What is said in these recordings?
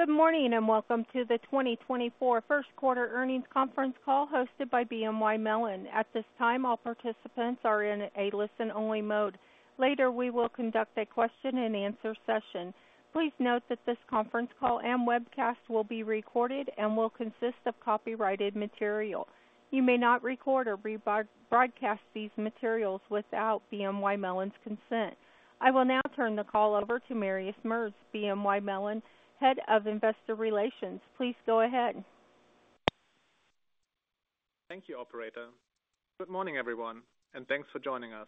Good morning, and welcome to the 2024 first quarter earnings conference call hosted by BNY Mellon. At this time, all participants are in a listen-only mode. Later, we will conduct a question-and-answer session. Please note that this conference call and webcast will be recorded and will consist of copyrighted material. You may not record or rebroadcast these materials without BNY Mellon's consent. I will now turn the call over to Marius Merz, BNY Mellon, Head of Investor Relations. Please go ahead. Thank you, operator. Good morning, everyone, and thanks for joining us.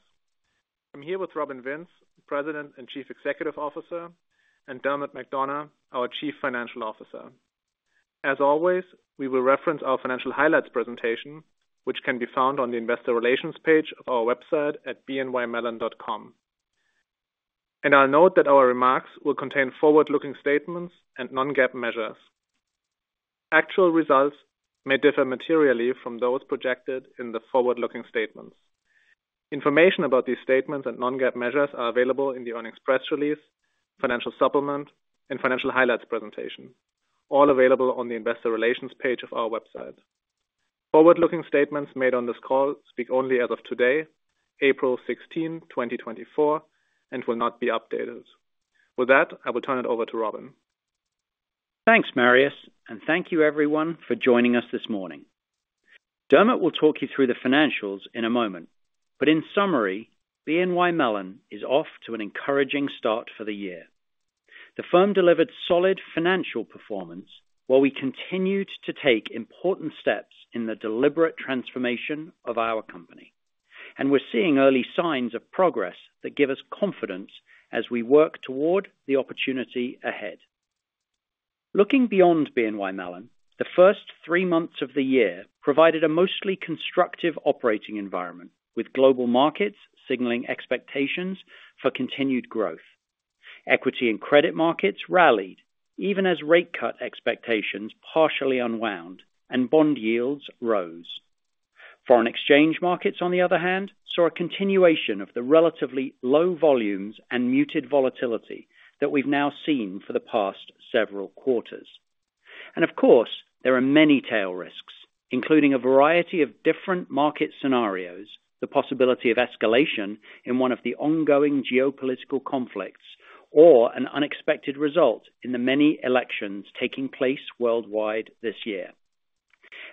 I'm here with Robin Vince, President and Chief Executive Officer, and Dermot McDonogh, our Chief Financial Officer. As always, we will reference our financial highlights presentation, which can be found on the Investor Relations page of our website at bnymellon.com. I'll note that our remarks will contain forward-looking statements and non-GAAP measures. Actual results may differ materially from those projected in the forward-looking statements. Information about these statements and non-GAAP measures are available in the earnings press release, financial supplement, and financial highlights presentation, all available on the Investor Relations page of our website. Forward-looking statements made on this call speak only as of today, April 16, 2024, and will not be updated. With that, I will turn it over to Robin. Thanks, Marius, and thank you everyone for joining us this morning. Dermot will talk you through the financials in a moment. In summary, BNY Mellon is off to an encouraging start for the year. The firm delivered solid financial performance, while we continued to take important steps in the deliberate transformation of our company, and we're seeing early signs of progress that give us confidence as we work toward the opportunity ahead. Looking beyond BNY Mellon, the first three months of the year provided a mostly constructive operating environment, with global markets signaling expectations for continued growth. Equity and credit markets rallied, even as rate cut expectations partially unwound and bond yields rose. Foreign exchange markets, on the other hand, saw a continuation of the relatively low volumes and muted volatility that we've now seen for the past several quarters. Of course, there are many tail risks, including a variety of different market scenarios, the possibility of escalation in one of the ongoing geopolitical conflicts, or an unexpected result in the many elections taking place worldwide this year.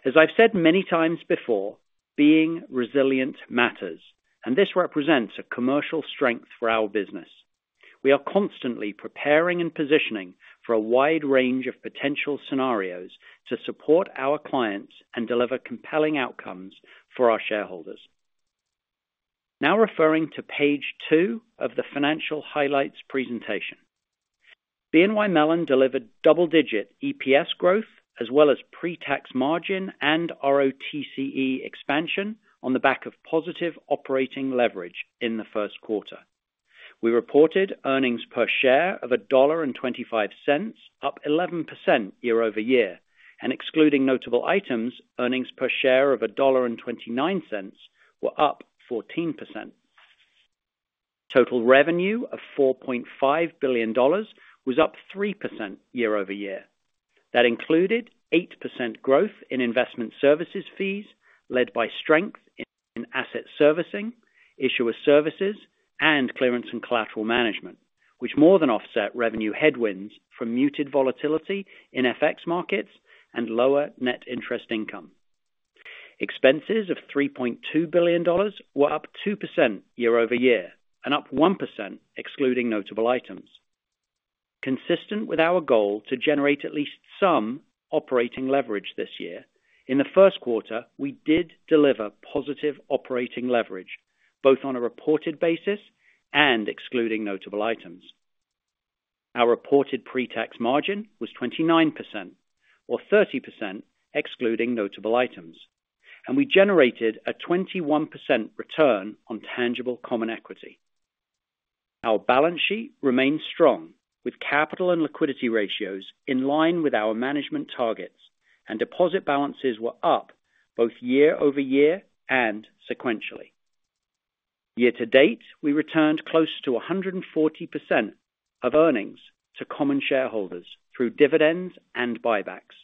As I've said many times before, being resilient matters, and this represents a commercial strength for our business. We are constantly preparing and positioning for a wide range of potential scenarios to support our clients and deliver compelling outcomes for our shareholders. Now referring to page two of the financial highlights presentation. BNY Mellon delivered double-digit EPS growth, as well as pre-tax margin and ROTCE expansion on the back of positive operating leverage in the first quarter. We reported earnings per share of $1.25, up 11% year-over-year, and excluding notable items, earnings per share of $1.29 were up 14%. Total revenue of $4.5 billion was up 3% year-over-year. That included 8% growth in investment services fees, led by strength in Asset Servicing, Issuer Services, and Clearance and Collateral Management, which more than offset revenue headwinds from muted volatility in FX markets and lower net interest income. Expenses of $3.2 billion were up 2% year-over-year and up 1%, excluding notable items. Consistent with our goal to generate at least some operating leverage this year, in the first quarter, we did deliver positive operating leverage, both on a reported basis and excluding notable items. Our reported pre-tax margin was 29%, or 30%, excluding notable items, and we generated a 21% return on tangible common equity. Our balance sheet remains strong, with capital and liquidity ratios in line with our management targets, and deposit balances were up both year-over-year and sequentially. Year to date, we returned close to 140% of earnings to common shareholders through dividends and buybacks,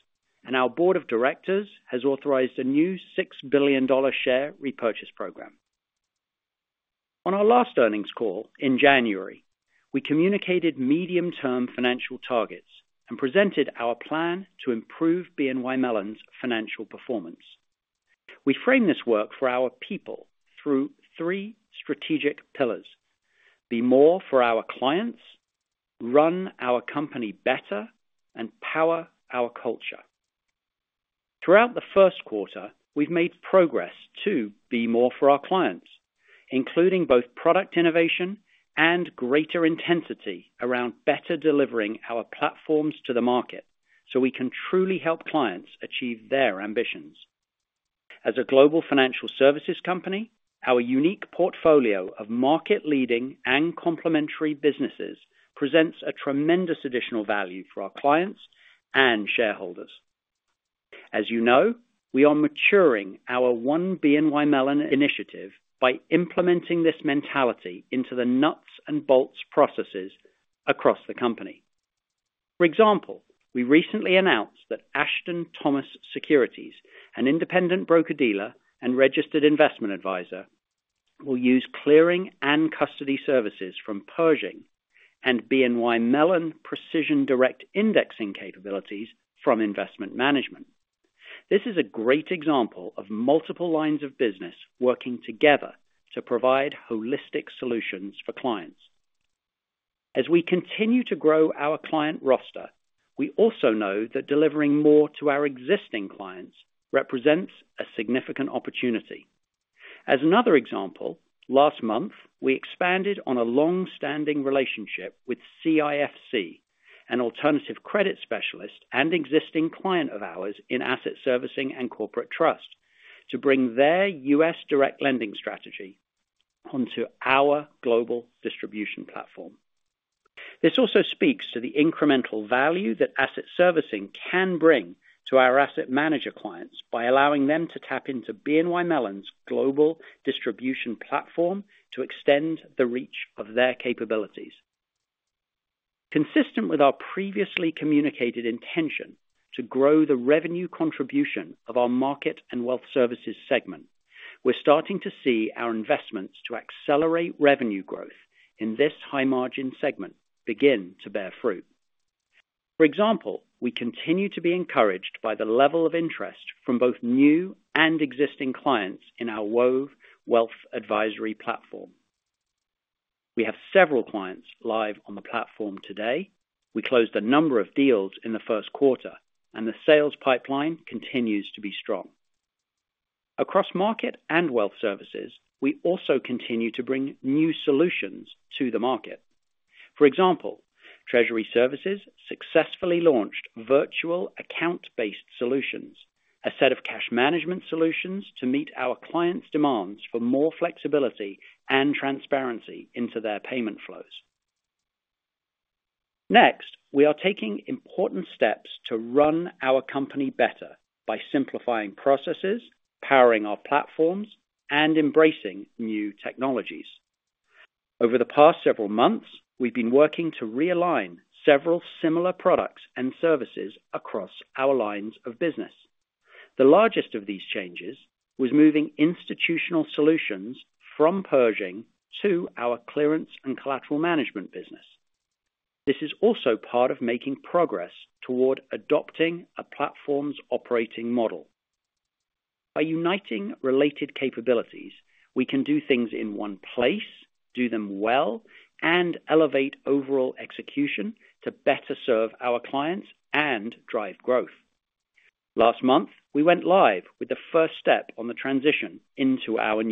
and our board of directors has authorized a new $6 billion share repurchase program. On our last earnings call in January, we communicated medium-term financial targets and presented our plan to improve BNY Mellon's financial performance. We frame this work for our people through three strategic pillars: be more for our clients, run our company better, and power our culture. Throughout the first quarter, we've made progress to be more for our clients, including both product innovation and greater intensity around better delivering our platforms to the market, so we can truly help clients achieve their ambitions. As a global financial services company, our unique portfolio of market-leading and complementary businesses presents a tremendous additional value for our clients and shareholders. As you know, we are maturing our One BNY Mellon initiative by implementing this mentality into the nuts and bolts processes across the company. For example, we recently announced that Ashton Thomas Securities, an independent broker-dealer and registered investment advisor, will use clearing and custody services from Pershing and BNY Mellon Precision Direct Indexing capabilities from Investment Management. This is a great example of multiple lines of business working together to provide holistic solutions for clients. As we continue to grow our client roster, we also know that delivering more to our existing clients represents a significant opportunity. As another example, last month, we expanded on a long-standing relationship with CIFC, an alternative credit specialist and existing client of ours in Asset Servicing and Corporate Trust, to bring their U.S. direct lending strategy onto our global distribution platform. This also speaks to the incremental value that Asset Servicing can bring to our asset manager clients by allowing them to tap into BNY Mellon's global distribution platform to extend the reach of their capabilities. Consistent with our previously communicated intention to grow the revenue contribution of our Market and Wealth Services segment, we're starting to see our investments to accelerate revenue growth in this high-margin segment begin to bear fruit. For example, we continue to be encouraged by the level of interest from both new and existing clients in our Wove wealth advisory platform. We have several clients live on the platform today. We closed a number of deals in the first quarter, and the sales pipeline continues to be strong. Across Market and Wealth Services, we also continue to bring new solutions to the market. For example, Treasury Services successfully launched virtual account-based solutions, a set of cash management solutions to meet our clients' demands for more flexibility and transparency into their payment flows. Next, we are taking important steps to run our company better by simplifying processes, powering our platforms, and embracing new technologies. Over the past several months, we've been working to realign several similar products and services across our lines of business. The largest of these changes was moving Institutional Solutions from Pershing to our clearing and collateral management business. This is also part of making progress toward adopting a platform's operating model. By uniting related capabilities, we can do things in one place, do them well, and elevate overall execution to better serve our clients and drive growth. Last month, we went live with the first step on the transition into our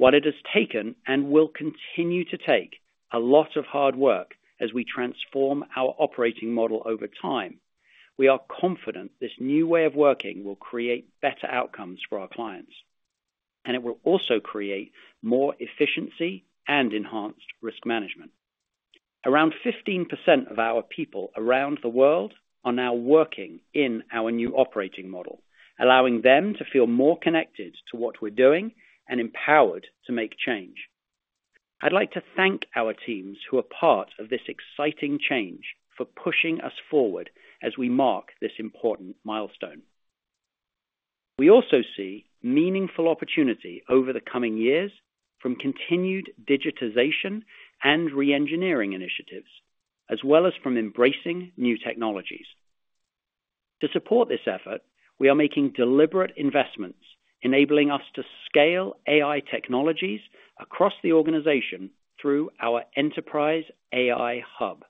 new model. While it has taken and will continue to take a lot of hard work as we transform our operating model over time, we are confident this new way of working will create better outcomes for our clients, and it will also create more efficiency and enhanced risk management. Around 15% of our people around the world are now working in our new operating model, allowing them to feel more connected to what we're doing and empowered to make change. I'd like to thank our teams who are part of this exciting change for pushing us forward as we mark this important milestone. We also see meaningful opportunity over the coming years from continued digitization and re-engineering initiatives, as well as from embracing new technologies. To support this effort, we are making deliberate investments, enabling us to scale AI technologies across the organization through our enterprise AI Hub.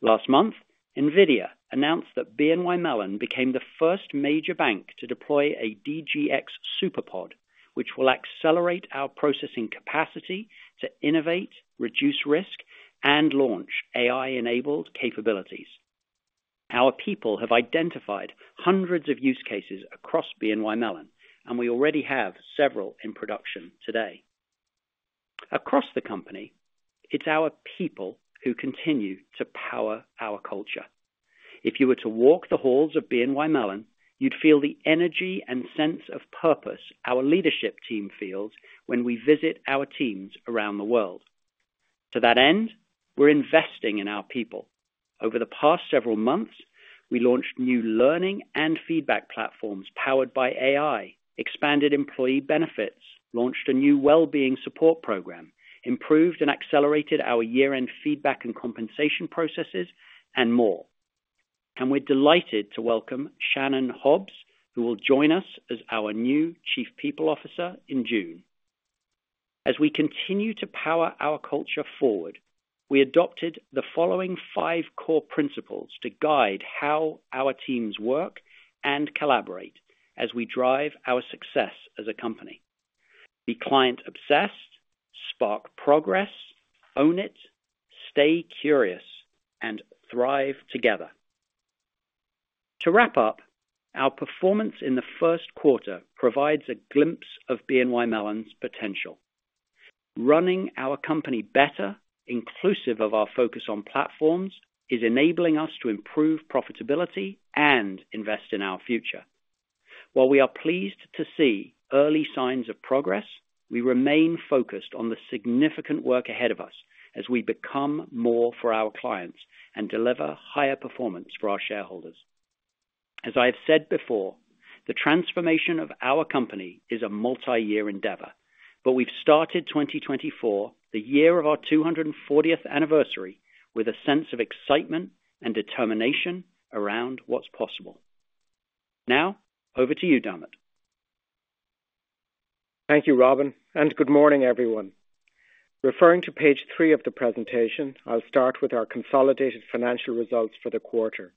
Last month, NVIDIA announced that BNY Mellon became the first major bank to deploy a DGX SuperPOD, which will accelerate our processing capacity to innovate, reduce risk, and launch AI-enabled capabilities. Our people have identified hundreds of use cases across BNY Mellon, and we already have several in production today. Across the company, it's our people who continue to power our culture. If you were to walk the halls of BNY Mellon, you'd feel the energy and sense of purpose our leadership team feels when we visit our teams around the world. To that end, we're investing in our people. Over the past several months, we launched new learning and feedback platforms powered by AI, expanded employee benefits, launched a new well-being support program, improved and accelerated our year-end feedback and compensation processes, and more. We're delighted to welcome Shannon Hobbs, who will join us as our new Chief People Officer in June. As we continue to power our culture forward, we adopted the following five core principles to guide how our teams work and collaborate as we drive our success as a company. Be client-obsessed, spark progress, own it, stay curious, and thrive together. To wrap up, our performance in the first quarter provides a glimpse of BNY Mellon's potential. Running our company better, inclusive of our focus on platforms, is enabling us to improve profitability and invest in our future. While we are pleased to see early signs of progress, we remain focused on the significant work ahead of us as we become more for our clients and deliver higher performance for our shareholders. As I have said before, the transformation of our company is a multi-year endeavor, but we've started 2024, the year of our 240th anniversary, with a sense of excitement and determination around what's possible. Now, over to you, Dermot. Thank you, Robin, and good morning, everyone. Referring to page three of the presentation, I'll start with our consolidated financial results for the quarter.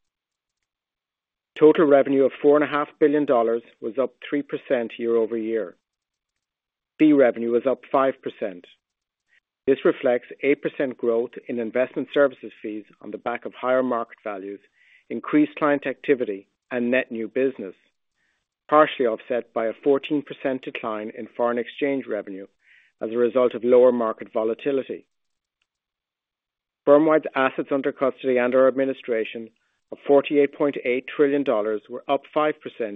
Total revenue of $4.5 billion was up 3% year-over-year. Fee revenue was up 5%. This reflects 8% growth in investment services fees on the back of higher market values, increased client activity, and net new business, partially offset by a 14% decline in foreign exchange revenue as a result of lower market volatility. Firm-wide assets under custody and/or administration of $48.8 trillion were up 5%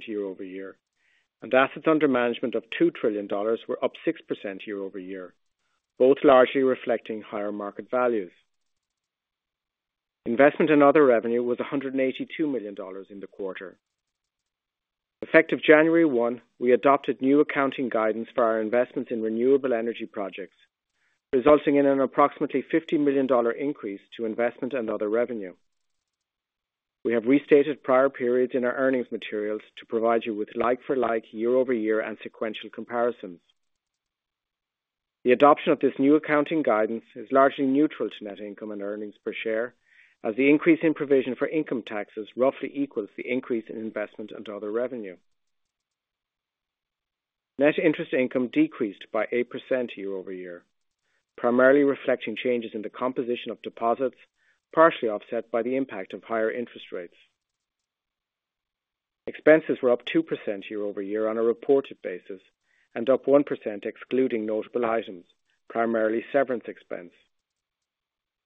year-over-year, and assets under management of $2 trillion were up 6% year-over-year, both largely reflecting higher market values. Investment and other revenue was $182 million in the quarter. Effective January 1, we adopted new accounting guidance for our investments in renewable energy projects, resulting in an approximately $50 million increase to investment and other revenue. We have restated prior periods in our earnings materials to provide you with like-for-like, year-over-year, and sequential comparisons. The adoption of this new accounting guidance is largely neutral to net income and earnings per share, as the increase in provision for income taxes roughly equals the increase in investment and other revenue. Net interest income decreased by 8% year over year, primarily reflecting changes in the composition of deposits, partially offset by the impact of higher interest rates. Expenses were up 2% year over year on a reported basis, and up 1% excluding notable items, primarily severance expense.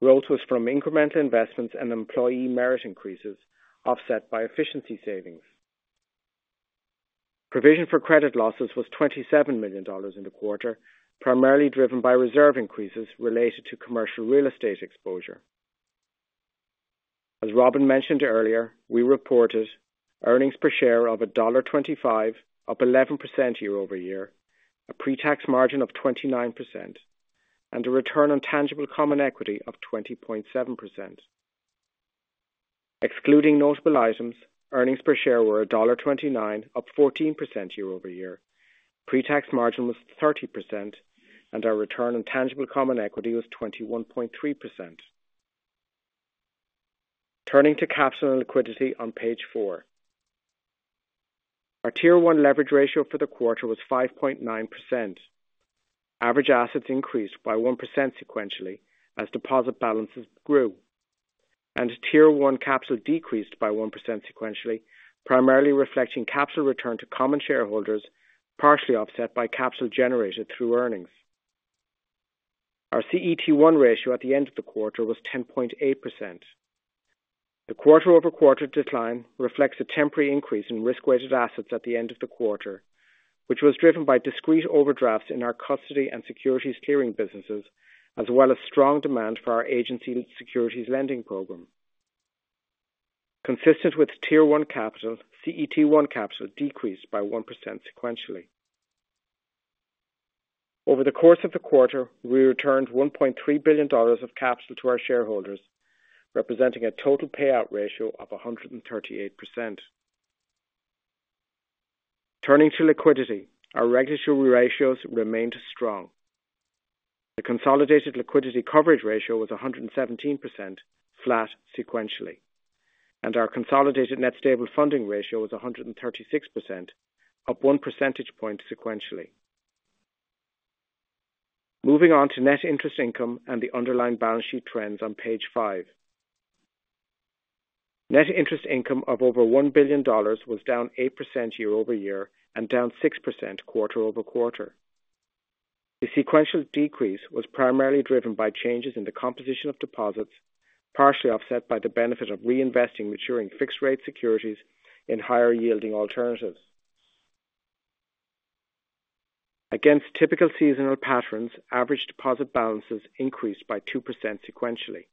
Growth was from incremental investments and employee merit increases, offset by efficiency savings. Provision for credit losses was $27 million in the quarter, primarily driven by reserve increases related to commercial real estate exposure. As Robin mentioned earlier, we reported earnings per share of $1.25, up 11% year-over-year, a pre-tax margin of 29%, and a return on tangible common equity of 20.7%. Excluding notable items, earnings per share were $1.29, up 14% year-over-year. Pre-tax margin was 30%, and our return on tangible common equity was 21.3%. Turning to capital and liquidity on page 4. Our Tier 1 leverage ratio for the quarter was 5.9%. Average assets increased by 1% sequentially as deposit balances grew, and Tier 1 capital decreased by 1% sequentially, primarily reflecting capital return to common shareholders, partially offset by capital generated through earnings. Our CET1 ratio at the end of the quarter was 10.8%. The quarter-over-quarter decline reflects a temporary increase in risk-weighted assets at the end of the quarter, which was driven by discrete overdrafts in our custody and securities clearing businesses, as well as strong demand for our agency securities lending program. Consistent with Tier 1 capital, CET1 capital decreased by 1% sequentially. Over the course of the quarter, we returned $1.3 billion of capital to our shareholders, representing a total payout ratio of 138%. Turning to liquidity, our regulatory ratios remained strong. The consolidated liquidity coverage ratio was 117%, flat sequentially, and our consolidated net stable funding ratio was 136%, up one percentage point sequentially. Moving on to net interest income and the underlying balance sheet trends on page five. Net interest income of over $1 billion was down 8% year-over-year and down 6% quarter-over-quarter. The sequential decrease was primarily driven by changes in the composition of deposits, partially offset by the benefit of reinvesting maturing fixed-rate securities in higher-yielding alternatives. Against typical seasonal patterns, average deposit balances increased by 2% sequentially.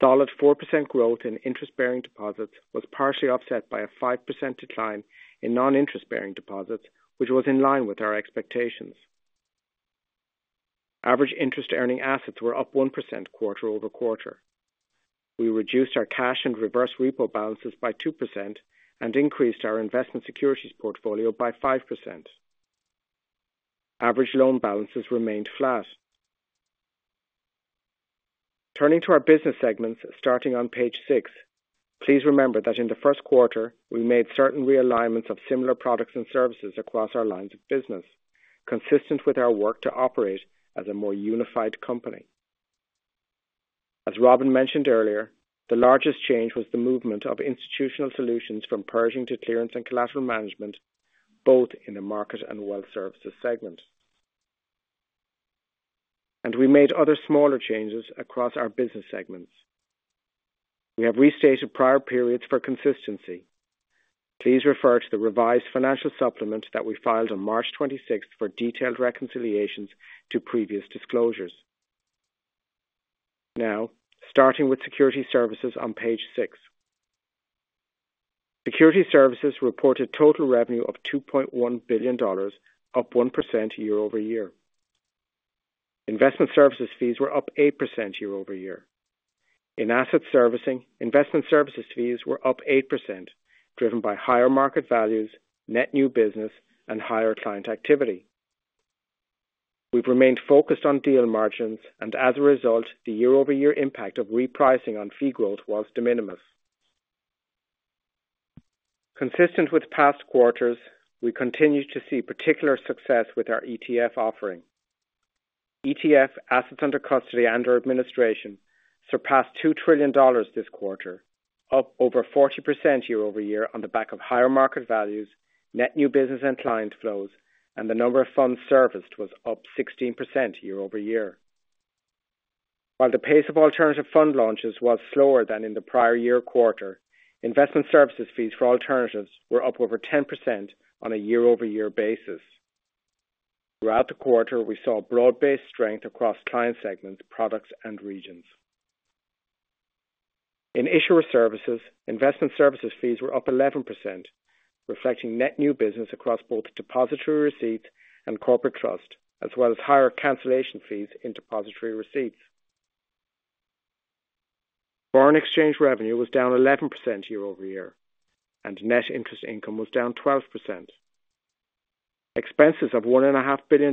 Solid 4% growth in interest-bearing deposits was partially offset by a 5% decline in non-interest-bearing deposits, which was in line with our expectations. Average interest-earning assets were up 1% quarter-over-quarter. We reduced our cash and reverse repo balances by 2% and increased our investment securities portfolio by 5%. Average loan balances remained flat. Turning to our business segments, starting on page six. Please remember that in the first quarter, we made certain realignments of similar products and services across our lines of business, consistent with our work to operate as a more unified company... As Robin mentioned earlier, the largest change was the movement of Institutional Solutions from Pershing to Clearance and Collateral Management, both in the market and wealth services segment. We made other smaller changes across our business segments. We have restated prior periods for consistency. Please refer to the revised financial supplement that we filed on March 26th for detailed reconciliations to previous disclosures. Now, starting with Securities Services on page six. Securities Services reported total revenue of $2.1 billion, up 1% year-over-year. Investment services fees were up 8% year-over-year. In Asset Servicing, investment services fees were up 8%, driven by higher market values, net new business, and higher client activity. We've remained focused on deal margins, and as a result, the year-over-year impact of repricing on fee growth was de minimis. Consistent with past quarters, we continue to see particular success with our ETF offering. ETF assets under custody and/or administration surpassed $2 trillion this quarter, up over 40% year-over-year on the back of higher market values, net new business and client flows, and the number of funds serviced was up 16% year-over-year. While the pace of alternative fund launches was slower than in the prior year quarter, investment services fees for alternatives were up over 10% on a year-over-year basis. Throughout the quarter, we saw broad-based strength across client segments, products, and regions. In Issuer Services, investment services fees were up 11%, reflecting net new business across both depository receipts and corporate trust, as well as higher cancellation fees in depository receipts. Foreign exchange revenue was down 11% year-over-year, and net interest income was down 12%. Expenses of $1.5 billion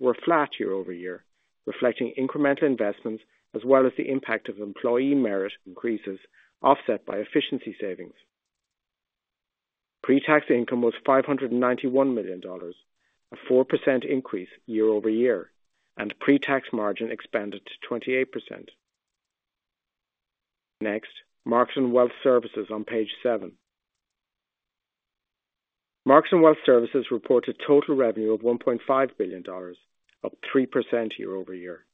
were flat year-over-year, reflecting incremental investments as well as the impact of employee merit increases, offset by efficiency savings. Pre-tax income was $591 million, a 4% increase year-over-year, and pre-tax margin expanded to 28%. Next, Markets and Wealth Services on page seven. Markets and Wealth Services reported total revenue of $1.5 billion, up 3% year-over-year.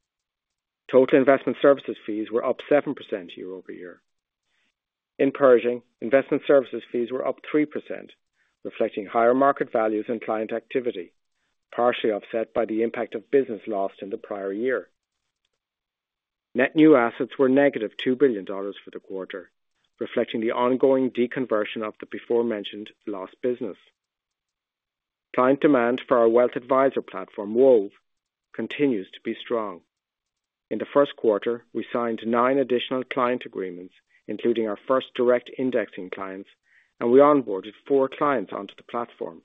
Total investment services fees were up 7% year-over-year. In Pershing, investment services fees were up 3%, reflecting higher market values and client activity, partially offset by the impact of business lost in the prior year. Net new assets were -$2 billion for the quarter, reflecting the ongoing deconversion of the before mentioned lost business. Client demand for our wealth advisor platform, Wove, continues to be strong. In the first quarter, we signed nine additional client agreements, including our first direct indexing clients, and we onboarded four clients onto the platform.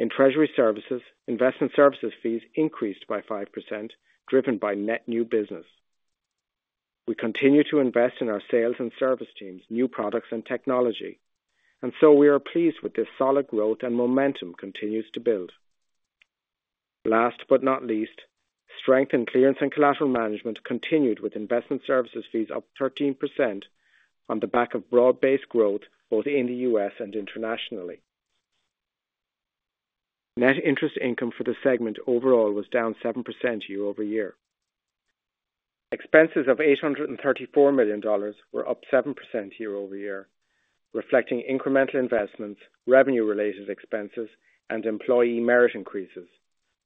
In Treasury Services, investment services fees increased by 5%, driven by net new business. We continue to invest in our sales and service teams, new products and technology, and so we are pleased with this solid growth and momentum continues to build. Last but not least, strength in Clearance and Collateral Management continued with investment services fees up 13% on the back of broad-based growth, both in the U.S. and internationally. Net interest income for the segment overall was down 7% year-over-year. Expenses of $834 million were up 7% year-over-year, reflecting incremental investments, revenue-related expenses, and employee merit increases,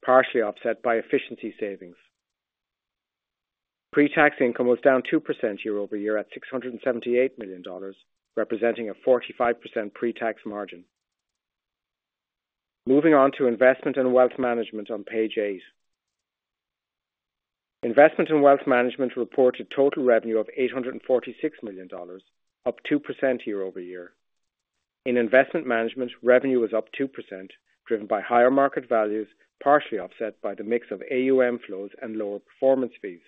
partially offset by efficiency savings. Pre-tax income was down 2% year-over-year at $678 million, representing a 45% pre-tax margin. Moving on to Investment and Wealth Management on page eight. Investment and Wealth Management reported total revenue of $846 million, up 2% year-over-year. In Investment Management, revenue was up 2%, driven by higher market values, partially offset by the mix of AUM flows and lower performance fees.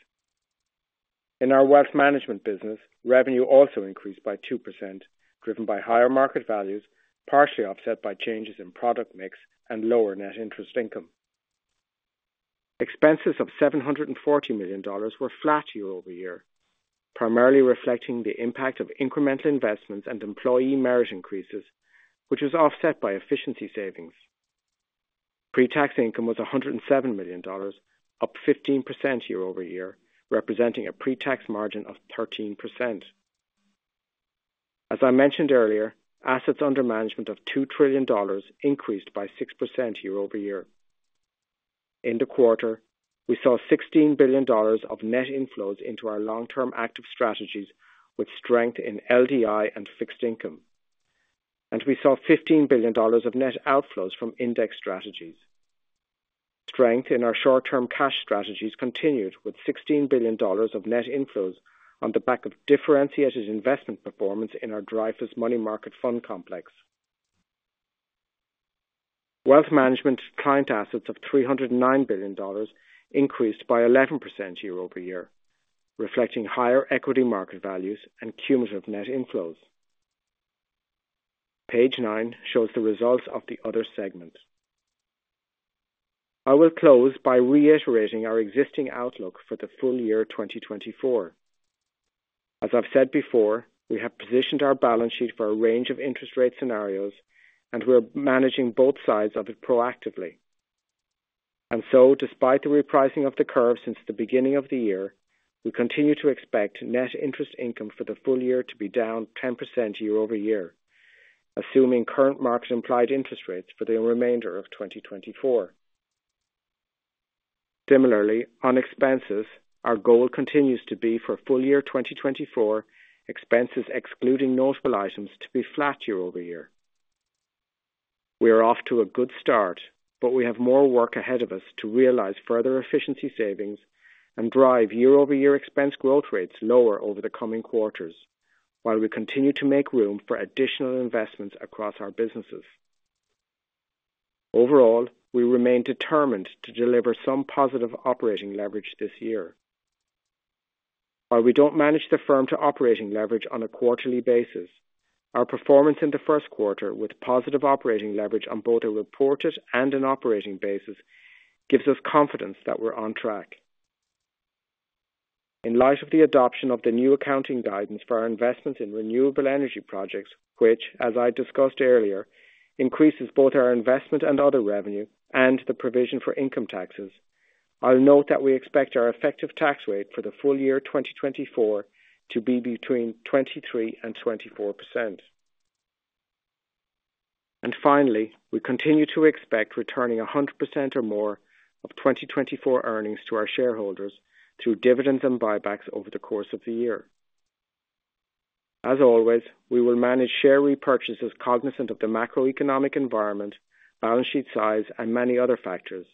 In our Wealth Management business, revenue also increased by 2%, driven by higher market values, partially offset by changes in product mix and lower net interest income. Expenses of $740 million were flat year-over-year, primarily reflecting the impact of incremental investments and employee merit increases, which was offset by efficiency savings. Pre-tax income was $107 million, up 15% year-over-year, representing a pre-tax margin of 13%. As I mentioned earlier, assets under management of $2 trillion increased by 6% year-over-year. In the quarter, we saw $16 billion of net inflows into our long-term active strategies, with strength in LDI and fixed income. We saw $15 billion of net outflows from index strategies. Strength in our short-term cash strategies continued, with $16 billion of net inflows on the back of differentiated investment performance in our Dreyfus Money Market Fund complex. Wealth Management client assets of $309 billion increased by 11% year-over-year, reflecting higher equity market values and cumulative net inflows. ...Page nine shows the results of the other segment. I will close by reiterating our existing outlook for the full year 2024. As I've said before, we have positioned our balance sheet for a range of interest rate scenarios, and we're managing both sides of it proactively. So despite the repricing of the curve since the beginning of the year, we continue to expect net interest income for the full year to be down 10% year-over-year, assuming current market implied interest rates for the remainder of 2024. Similarly, on expenses, our goal continues to be for full year 2024, expenses excluding notable items, to be flat year-over-year. We are off to a good start, but we have more work ahead of us to realize further efficiency savings and drive year-over-year expense growth rates lower over the coming quarters, while we continue to make room for additional investments across our businesses. Overall, we remain determined to deliver some positive operating leverage this year. While we don't manage the firm to operating leverage on a quarterly basis, our performance in the first quarter, with positive operating leverage on both a reported and an operating basis, gives us confidence that we're on track. In light of the adoption of the new accounting guidance for our investment in renewable energy projects, which, as I discussed earlier, increases both our investment and other revenue and the provision for income taxes, I'll note that we expect our effective tax rate for the full year 2024 to be between 23% and 24%. And finally, we continue to expect returning 100% or more of 2024 earnings to our shareholders through dividends and buybacks over the course of the year. As always, we will manage share repurchases, cognizant of the macroeconomic environment, balance sheet size, and many other factors.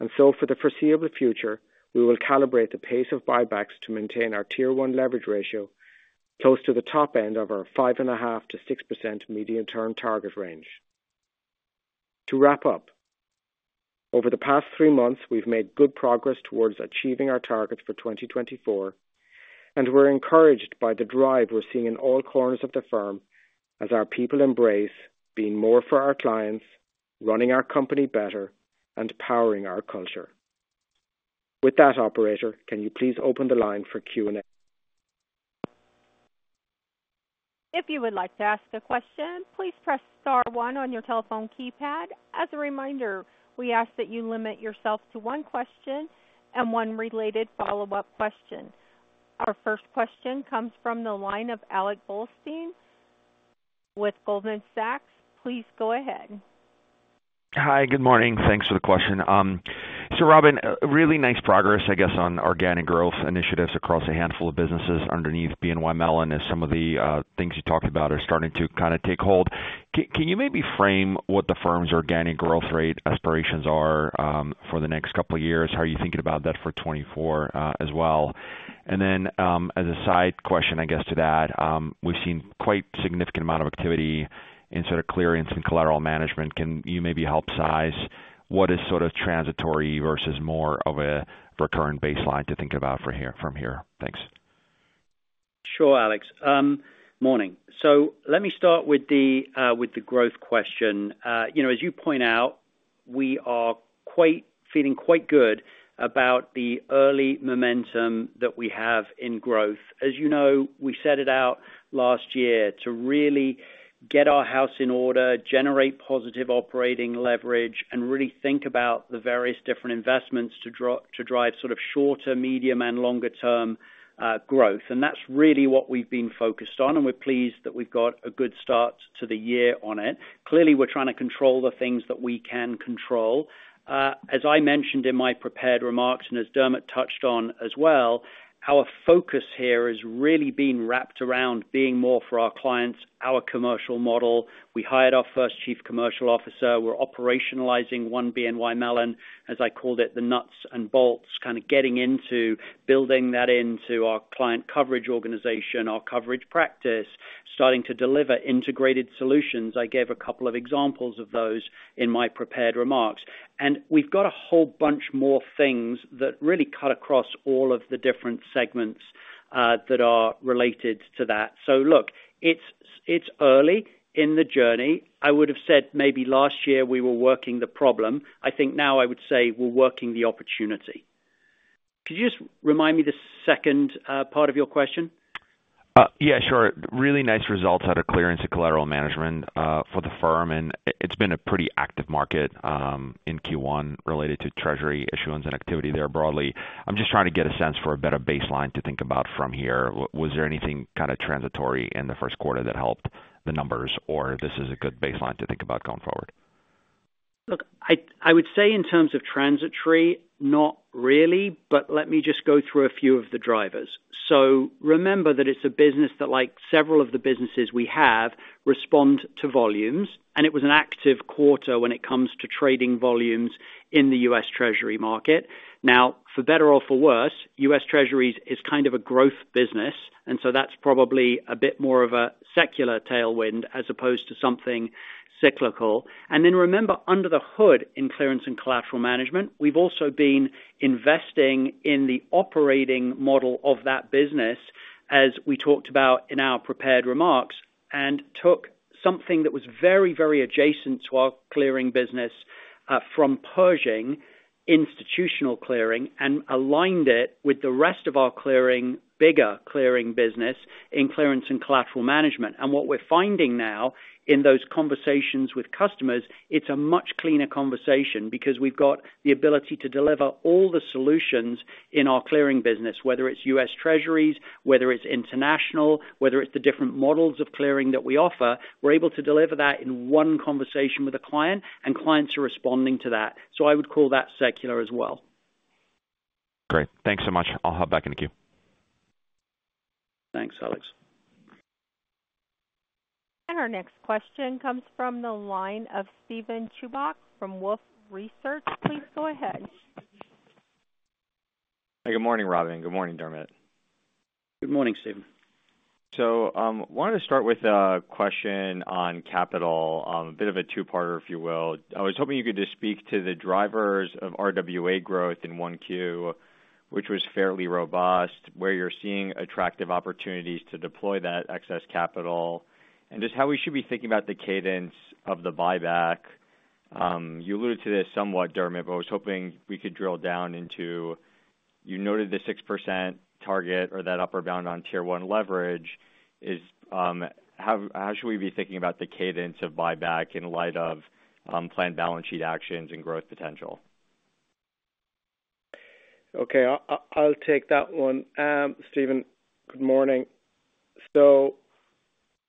And so for the foreseeable future, we will calibrate the pace of buybacks to maintain our Tier 1 Leverage Ratio close to the top end of our 5.5%-6% medium-term target range. To wrap up, over the past three months, we've made good progress towards achieving our targets for 2024, and we're encouraged by the drive we're seeing in all corners of the firm as our people embrace being more for our clients, running our company better, and powering our culture. With that, operator, can you please open the line for Q&A? If you would like to ask a question, please press star one on your telephone keypad. As a reminder, we ask that you limit yourself to one question and one related follow-up question. Our first question comes from the line of Alex Blostein with Goldman Sachs. Please go ahead. Hi, good morning. Thanks for the question. So, Robin, really nice progress, I guess, on organic growth initiatives across a handful of businesses underneath BNY Mellon, as some of the things you talked about are starting to kind of take hold. Can you maybe frame what the firm's organic growth rate aspirations are for the next couple of years? How are you thinking about that for 2024 as well? And then, as a side question, I guess, to that, we've seen quite significant amount of activity in sort of Clearance and Collateral Management. Can you maybe help size what is sort of transitory versus more of a recurrent baseline to think about from here? Thanks. Sure, Alex. Morning. So let me start with the growth question. You know, as you point out, we are quite feeling quite good about the early momentum that we have in growth. As you know, we set it out last year to really get our house in order, generate positive operating leverage, and really think about the various different investments to drive sort of shorter, medium, and longer-term growth. And that's really what we've been focused on, and we're pleased that we've got a good start to the year on it. Clearly, we're trying to control the things that we can control. As I mentioned in my prepared remarks, and as Dermot touched on as well, our focus here has really been wrapped around being more for our clients, our commercial model. We hired our first Chief Commercial Officer. We're operationalizing One BNY Mellon, as I called it, the nuts and bolts, kind of getting into building that into our client coverage organization, our coverage practice, starting to deliver integrated solutions. I gave a couple of examples of those in my prepared remarks. And we've got a whole bunch more things that really cut across all of the different segments, that are related to that. So look, it's early in the journey. I would have said maybe last year we were working the problem. I think now I would say we're working the opportunity. Could you just remind me the second part of your question? Yeah, sure. Really nice results out of Clearance and Collateral Management for the firm, and it's been a pretty active market in Q1 related to treasury issuance and activity there broadly. I'm just trying to get a sense for a better baseline to think about from here. Was there anything kind of transitory in the first quarter that helped the numbers, or this is a good baseline to think about going forward? Look, I would say in terms of transitory, not really, but let me just go through a few of the drivers. So remember that it's a business that, like several of the businesses we have, respond to volumes, and it was an active quarter when it comes to trading volumes in the U.S. Treasury market. Now, for better or for worse, U.S. Treasuries is kind of a growth business, and so that's probably a bit more of a secular tailwind, as opposed to something-... cyclical. And then remember, under the hood, in clearing and collateral management, we've also been investing in the operating model of that business, as we talked about in our prepared remarks, and took something that was very, very adjacent to our clearing business, from Pershing Institutional Clearing, and aligned it with the rest of our clearing, bigger clearing business in clearing and collateral management. And what we're finding now in those conversations with customers, it's a much cleaner conversation because we've got the ability to deliver all the solutions in our clearing business, whether it's U.S. Treasuries, whether it's international, whether it's the different models of clearing that we offer. We're able to deliver that in one conversation with a client, and clients are responding to that. So I would call that secular as well. Great. Thanks so much. I'll hop back in the queue. Thanks, Alex. Our next question comes from the line of Steven Chubak from Wolfe Research. Please go ahead. Hey, good morning, Robin. Good morning, Dermot. Good morning, Steven. Wanted to start with a question on capital. A bit of a two-parter, if you will. I was hoping you could just speak to the drivers of RWA growth in 1Q, which was fairly robust, where you're seeing attractive opportunities to deploy that excess capital, and just how we should be thinking about the cadence of the buyback. You alluded to this somewhat, Dermot, but I was hoping we could drill down into... You noted the 6% target or that upper bound on Tier 1 leverage is, how, how should we be thinking about the cadence of buyback in light of planned balance sheet actions and growth potential? Okay, I'll take that one. Steven, good morning. So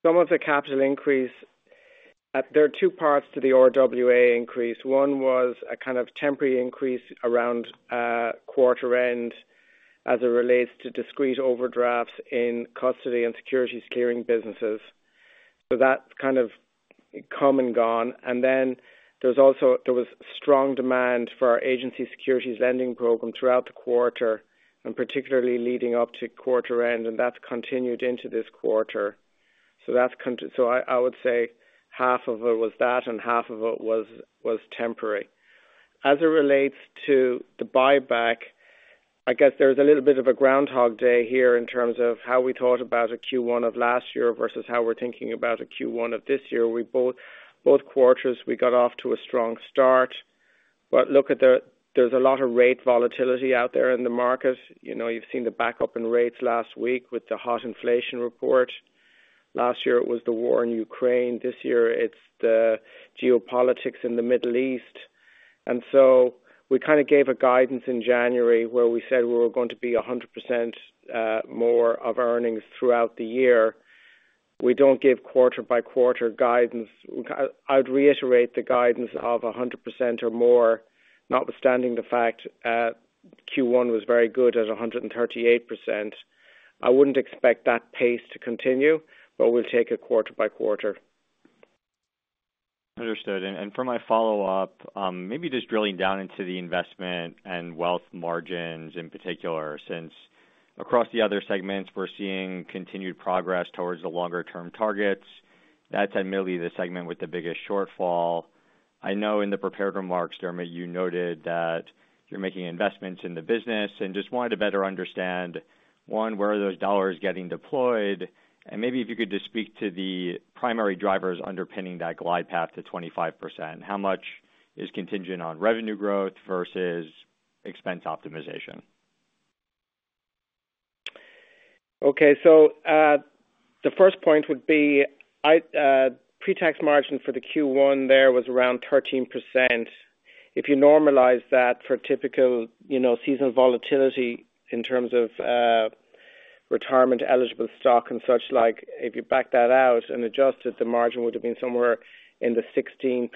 some of the capital increase, there are two parts to the RWA increase. One was a kind of temporary increase around quarter end as it relates to discrete overdrafts in custody and securities clearing businesses. So that's kind of come and gone. And then there's also, there was strong demand for our agency securities lending program throughout the quarter, and particularly leading up to quarter end, and that's continued into this quarter. So that's so I would say half of it was that and half of it was temporary. As it relates to the buyback, I guess there's a little bit of a Groundhog Day here in terms of how we thought about a Q1 of last year versus how we're thinking about a Q1 of this year. Both quarters, we got off to a strong start. But look at the... There's a lot of rate volatility out there in the market. You know, you've seen the backup in rates last week with the hot inflation report. Last year, it was the war in Ukraine. This year, it's the geopolitics in the Middle East. And so we kind of gave a guidance in January, where we said we were going to be 100% more of earnings throughout the year. We don't give quarter-by-quarter guidance. I'd reiterate the guidance of 100% or more, notwithstanding the fact, Q1 was very good at 138%. I wouldn't expect that pace to continue, but we'll take it quarter by quarter. Understood. And for my follow-up, maybe just drilling down into the Investment and Wealth margins, in particular, since across the other segments, we're seeing continued progress towards the longer-term targets. That's admittedly the segment with the biggest shortfall. I know in the prepared remarks, Dermot, you noted that you're making investments in the business and just wanted to better understand, one, where are those dollars getting deployed? And maybe if you could just speak to the primary drivers underpinning that glide path to 25%. How much is contingent on revenue growth versus expense optimization? Okay. So, the first point would be, pre-tax margin for the Q1 there was around 13%. If you normalize that for typical, you know, seasonal volatility in terms of, retirement-eligible stock and such like, if you back that out and adjust it, the margin would have been somewhere in the 16%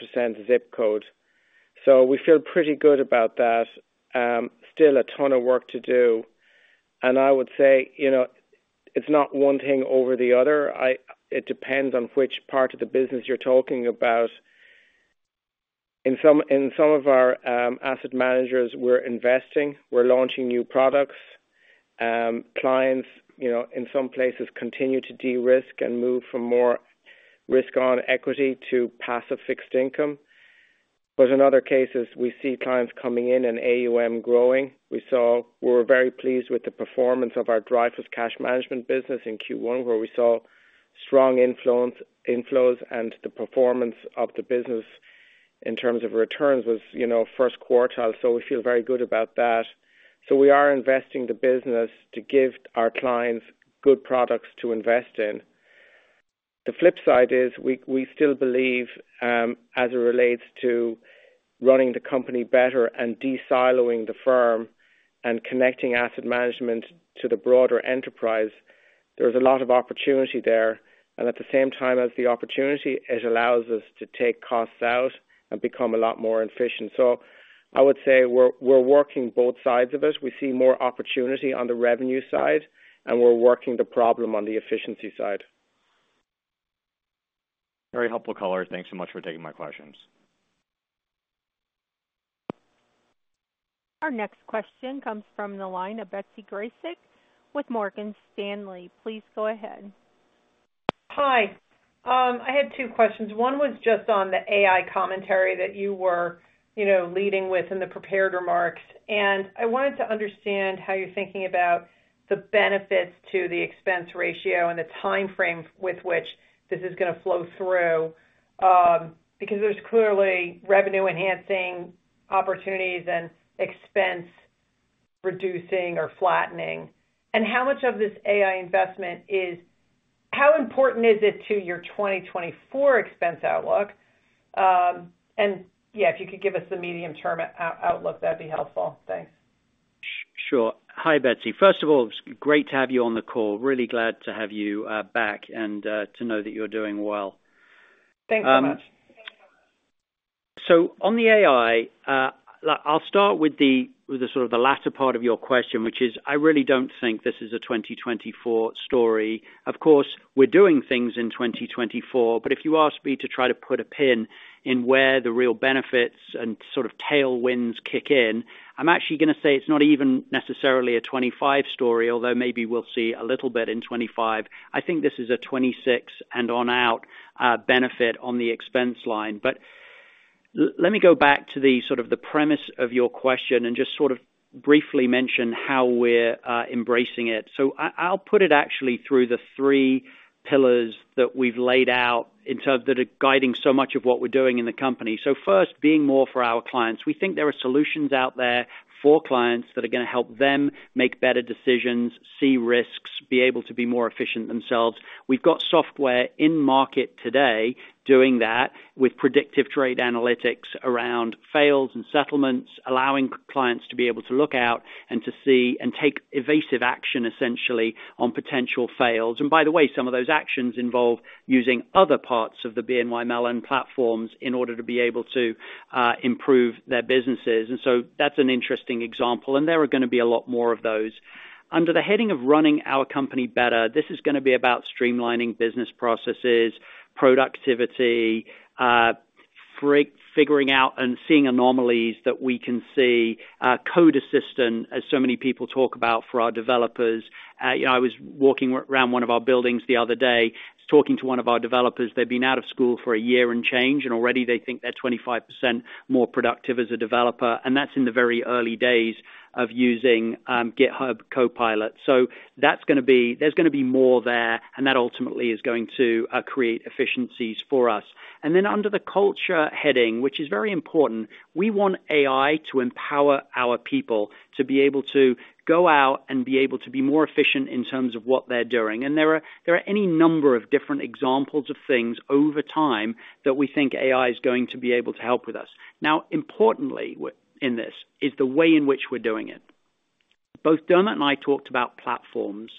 ZIP code. So we feel pretty good about that. Still a ton of work to do. And I would say, you know, it's not one thing over the other. It depends on which part of the business you're talking about. In some of our, asset managers, we're investing, we're launching new products. Clients, you know, in some places, continue to de-risk and move from more risk on equity to passive fixed income. But in other cases, we see clients coming in and AUM growing. We were very pleased with the performance of our Dreyfus Cash Management business in Q1, where we saw strong inflows and the performance of the business in terms of returns was, you know, first quartile, so we feel very good about that. So we are investing the business to give our clients good products to invest in. The flip side is we still believe, as it relates to running the company better and de-siloing the firm and connecting Asset Management to the broader enterprise, there's a lot of opportunity there, and at the same time as the opportunity, it allows us to take costs out and become a lot more efficient. So I would say we're working both sides of it. We see more opportunity on the revenue side, and we're working the problem on the efficiency side. Very helpful color. Thanks so much for taking my questions. Our next question comes from the line of Betsy Graseck with Morgan Stanley. Please go ahead. Hi. I had two questions. One was just on the AI commentary that you were, you know, leading with in the prepared remarks. And I wanted to understand how you're thinking about the benefits to the expense ratio and the time frame with which this is gonna flow through, because there's clearly revenue-enhancing opportunities and expense reducing or flattening. And how much of this AI investment is... How important is it to your 2024 expense outlook? And, yeah, if you could give us the medium-term outlook, that'd be helpful. Thanks. Sure. Hi, Betsy. First of all, it's great to have you on the call. Really glad to have you back and to know that you're doing well. Thanks so much. So on the AI, I'll start with the sort of the latter part of your question, which is, I really don't think this is a 2024 story. Of course, we're doing things in 2024, but if you ask me to try to put a pin in where the real benefits and sort of tailwinds kick in, I'm actually gonna say it's not even necessarily a 2025 story, although maybe we'll see a little bit in 2025. I think this is a 2026 and on out, benefit on the expense line. But let me go back to the sort of the premise of your question and just sort of briefly mention how we're embracing it. So I, I'll put it actually through the three pillars that we've laid out in terms that are guiding so much of what we're doing in the company. So first, being more for our clients. We think there are solutions out there for clients that are gonna help them make better decisions, see risks, be able to be more efficient themselves. We've got software in market today doing that with predictive trade analytics around fails and settlements, allowing clients to be able to look out and to see and take evasive action, essentially, on potential fails. And by the way, some of those actions involve using other parts of the BNY Mellon platforms in order to be able to improve their businesses. And so that's an interesting example, and there are gonna be a lot more of those. Under the heading of running our company better, this is gonna be about streamlining business processes, productivity, figuring out and seeing anomalies that we can see, code assistant, as so many people talk about, for our developers. You know, I was walking around one of our buildings the other day, talking to one of our developers. They've been out of school for a year and change, and already they think they're 25% more productive as a developer, and that's in the very early days of using GitHub Copilot. So that's gonna be. There's gonna be more there, and that ultimately is going to create efficiencies for us. And then under the culture heading, which is very important, we want AI to empower our people to be able to go out and be able to be more efficient in terms of what they're doing. And there are any number of different examples of things over time that we think AI is going to be able to help with us. Now, importantly, in this is the way in which we're doing it. Both Dermot and I talked about platforms,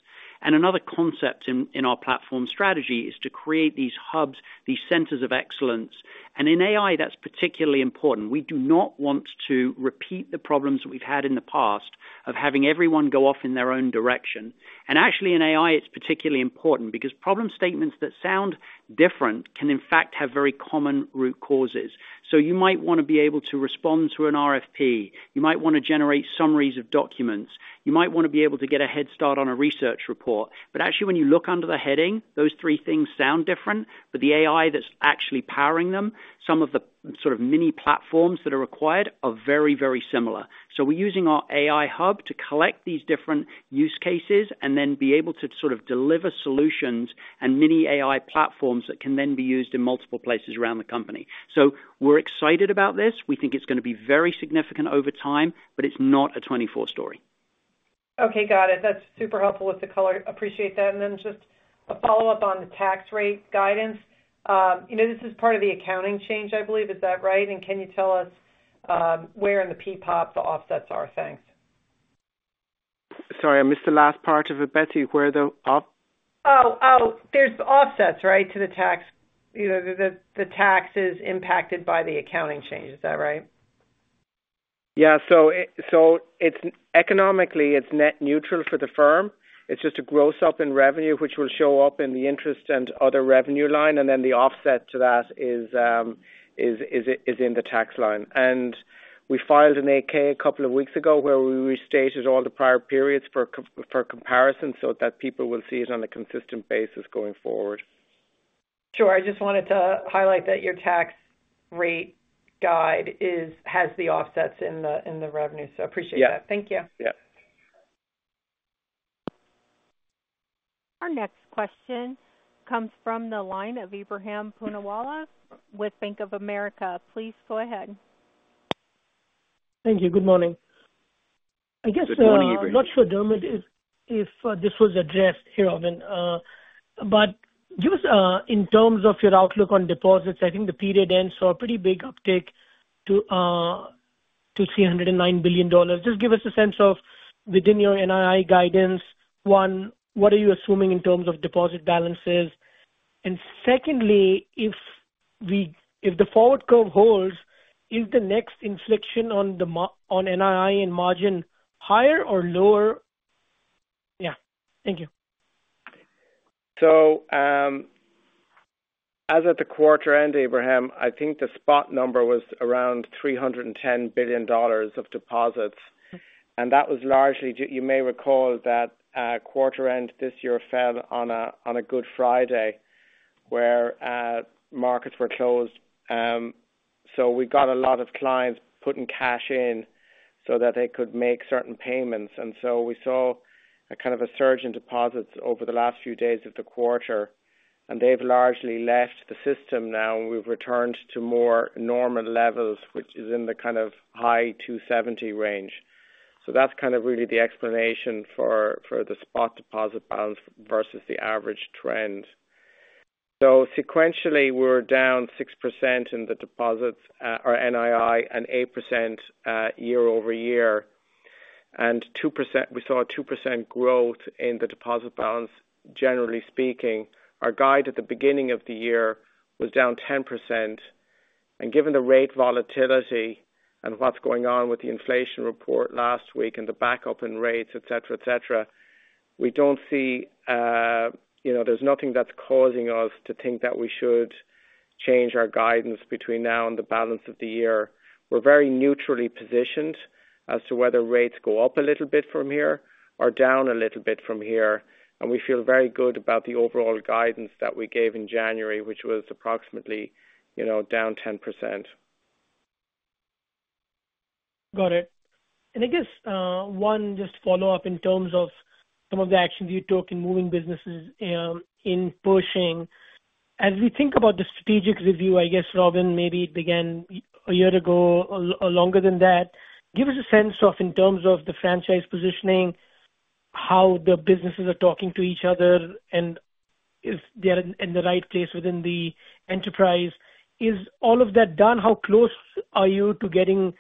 and another concept in our platform strategy is to create these hubs, these centers of excellence. And in AI, that's particularly important. We do not want to repeat the problems we've had in the past of having everyone go off in their own direction. And actually, in AI, it's particularly important because problem statements that sound different can, in fact, have very common root causes. So you might want to be able to respond to an RFP, you might want to generate summaries of documents, you might want to be able to get a head start on a research report. But actually, when you look under the heading, those three things sound different, but the AI that's actually powering them, some of the sort of mini platforms that are required are very, very similar. So we're using our AI hub to collect these different use cases and then be able to sort of deliver solutions and mini AI platforms that can then be used in multiple places around the company. So we're excited about this. We think it's gonna be very significant over time, but it's not a 24-story. Okay, got it. That's super helpful with the color. Appreciate that. And then just a follow-up on the tax rate guidance. You know, this is part of the accounting change, I believe. Is that right? And can you tell us where in the PPOP the offsets are? Thanks. Sorry, I missed the last part of it, Betsy. Where are the off? Oh, oh, there's offsets, right, to the tax. You know, the tax is impacted by the accounting change. Is that right? Yeah. So it's economically net neutral for the firm. It's just a gross up in revenue, which will show up in the interest and other revenue line, and then the offset to that is in the tax line. And we filed an 8-K a couple of weeks ago, where we restated all the prior periods for comparison so that people will see it on a consistent basis going forward. Sure. I just wanted to highlight that your tax rate guide has the offsets in the revenue, so appreciate that. Yeah. Thank you. Yeah. Our next question comes from the line of Ebrahim Poonawala with Bank of America. Please go ahead. Thank you. Good morning. Good morning, Ebrahim. I guess, I'm not sure, Dermot, if this was addressed here, but give us, in terms of your outlook on deposits, I think the period end saw a pretty big uptick to $309 billion. Just give us a sense of, within your NII guidance, one, what are you assuming in terms of deposit balances? And secondly, if the forward curve holds, is the next inflection on NII and margin higher or lower? Yeah. Thank you.... So, as at the quarter end, Ibrahim, I think the spot number was around $310 billion of deposits. And that was largely you may recall that quarter end this year fell on a Good Friday, where markets were closed. So we got a lot of clients putting cash in so that they could make certain payments. And so we saw a kind of a surge in deposits over the last few days of the quarter, and they've largely left the system now, and we've returned to more normal levels, which is in the kind of high $270 billion range. So that's kind of really the explanation for the spot deposit balance versus the average trend. So sequentially, we're down 6% in the deposits, or NII, and 8% year-over-year. And 2%—we saw a 2% growth in the deposit balance, generally speaking. Our guide at the beginning of the year was down 10%. Given the rate volatility and what's going on with the inflation report last week and the backup in rates, et cetera, et cetera, we don't see, you know, there's nothing that's causing us to think that we should change our guidance between now and the balance of the year. We're very neutrally positioned as to whether rates go up a little bit from here or down a little bit from here, and we feel very good about the overall guidance that we gave in January, which was approximately, you know, down 10%. Got it. And I guess, one, just to follow up in terms of some of the actions you took in moving businesses, in Pershing. As we think about the strategic review, I guess, Robin, maybe it began a year ago or longer than that. Give us a sense of, in terms of the franchise positioning, how the businesses are talking to each other, and if they're in, in the right place within the enterprise. Is all of that done? How close are you to getting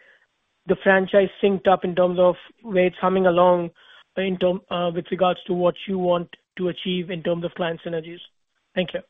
the franchise synced up in terms of where it's humming along, with regards to what you want to achieve in terms of client synergies? Thank you.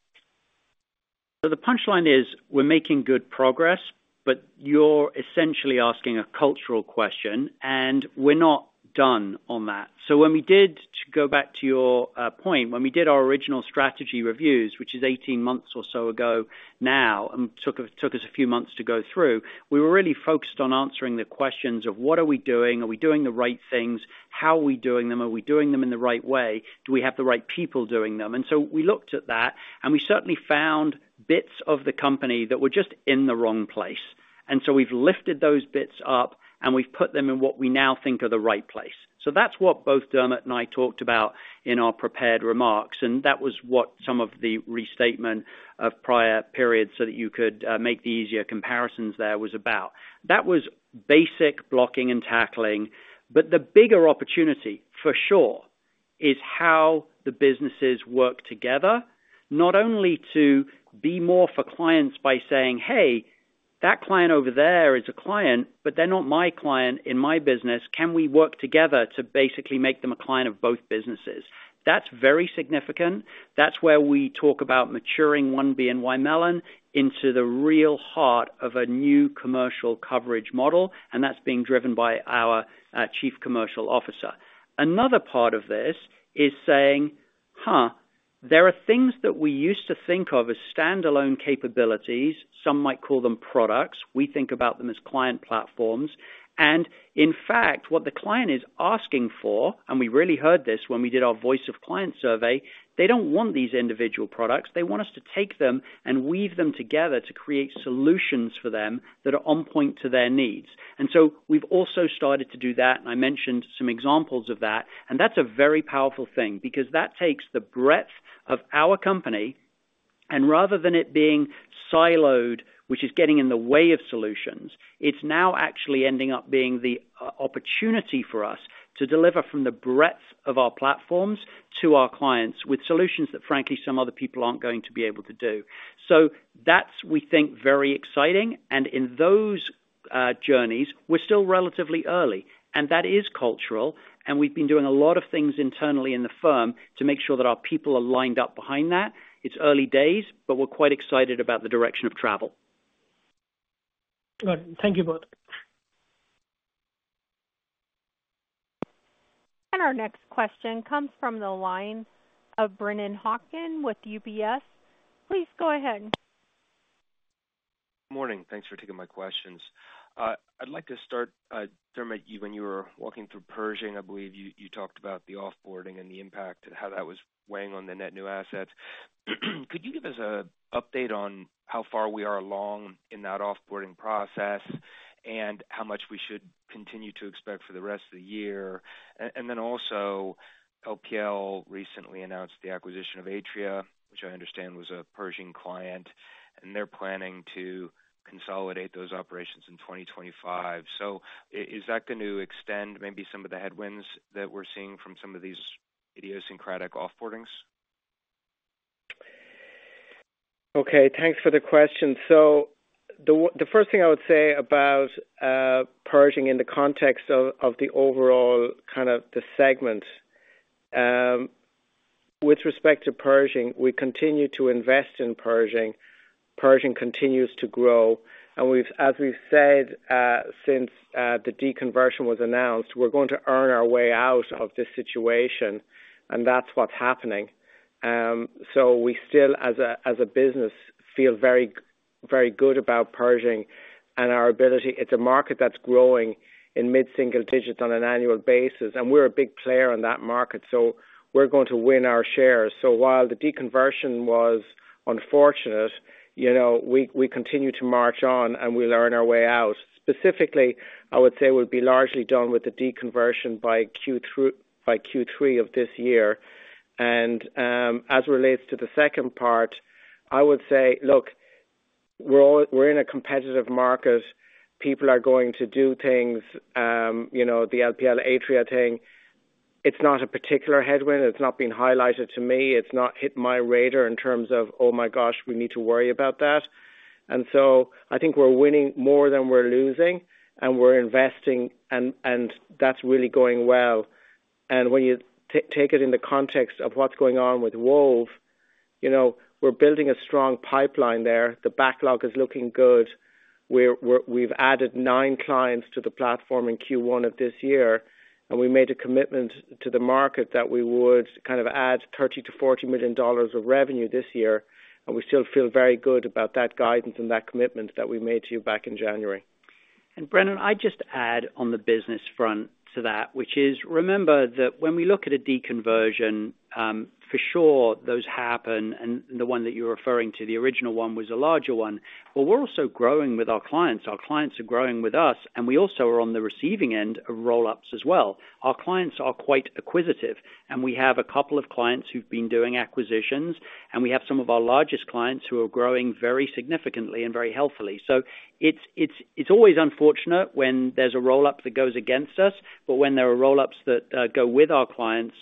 So the punchline is, we're making good progress, but you're essentially asking a cultural question, and we're not done on that. So when we did... To go back to your point, when we did our original strategy reviews, which is 18 months or so ago now, and took us a few months to go through, we were really focused on answering the questions of: What are we doing? Are we doing the right things? How are we doing them? Are we doing them in the right way? Do we have the right people doing them? And so we looked at that, and we certainly found bits of the company that were just in the wrong place. And so we've lifted those bits up, and we've put them in what we now think are the right place. So that's what both Dermot and I talked about in our prepared remarks, and that was what some of the restatement of prior periods, so that you could make the easier comparisons there, was about. That was basic blocking and tackling. But the bigger opportunity, for sure, is how the businesses work together, not only to be more for clients by saying, "Hey, that client over there is a client, but they're not my client in my business. Can we work together to basically make them a client of both businesses?" That's very significant. That's where we talk about maturing One BNY Mellon into the real heart of a new commercial coverage model, and that's being driven by our Chief Commercial Officer. Another part of this is saying, "Huh, there are things that we used to think of as standalone capabilities." Some might call them products. We think about them as client platforms. And in fact, what the client is asking for, and we really heard this when we did our voice of client survey, they don't want these individual products. They want us to take them and weave them together to create solutions for them that are on point to their needs. And so we've also started to do that, and I mentioned some examples of that, and that's a very powerful thing because that takes the breadth of our company, and rather than it being siloed, which is getting in the way of solutions, it's now actually ending up being the opportunity for us to deliver from the breadth of our platforms to our clients with solutions that, frankly, some other people aren't going to be able to do. So that's, we think, very exciting. In those journeys, we're still relatively early, and that is cultural, and we've been doing a lot of things internally in the firm to make sure that our people are lined up behind that. It's early days, but we're quite excited about the direction of travel. Good. Thank you both. Our next question comes from the line of Brennan Hawken with UBS. Please go ahead. Morning. Thanks for taking my questions. I'd like to start, Dermot, when you were walking through Pershing, I believe you talked about the off-boarding and the impact and how that was weighing on the net new assets. Could you give us an update on how far we are along in that off-boarding process, and how much we should continue to expect for the rest of the year? And then also, LPL recently announced the acquisition of Atria, which I understand was a Pershing client, and they're planning to consolidate those operations in 2025. So is that going to extend maybe some of the headwinds that we're seeing from some of these idiosyncratic off-boardings? Okay, thanks for the question. So the first thing I would say about Pershing in the context of the overall kind of the segment. With respect to Pershing, we continue to invest in Pershing. Pershing continues to grow, and we've, as we've said, since the deconversion was announced, we're going to earn our way out of this situation, and that's what's happening. So we still, as a business, feel very good about Pershing and our ability. It's a market that's growing in mid-single digits on an annual basis, and we're a big player in that market, so we're going to win our shares. So while the deconversion was unfortunate, you know, we continue to march on, and we'll earn our way out. Specifically, I would say we'll be largely done with the deconversion by Q3 of this year. And as relates to the second part, I would say, look, we're in a competitive market. People are going to do things. You know, the LPL Atria thing, it's not a particular headwind. It's not been highlighted to me. It's not hit my radar in terms of, "Oh my gosh, we need to worry about that." And so I think we're winning more than we're losing, and we're investing, and that's really going well. And when you take it in the context of what's going on with Wove, you know, we're building a strong pipeline there. The backlog is looking good. We've added nine clients to the platform in Q1 of this year, and we made a commitment to the market that we would kind of add $30 million-$40 million of revenue this year, and we still feel very good about that guidance and that commitment that we made to you back in January. And Brennan, I'd just add on the business front to that, which is, remember that when we look at a deconversion, for sure those happen, and, and the one that you're referring to, the original one, was a larger one. But we're also growing with our clients. Our clients are growing with us, and we also are on the receiving end of roll-ups as well. Our clients are quite acquisitive, and we have a couple of clients who've been doing acquisitions, and we have some of our largest clients who are growing very significantly and very healthily. So it's always unfortunate when there's a roll-up that goes against us, but when there are roll-ups that go with our clients,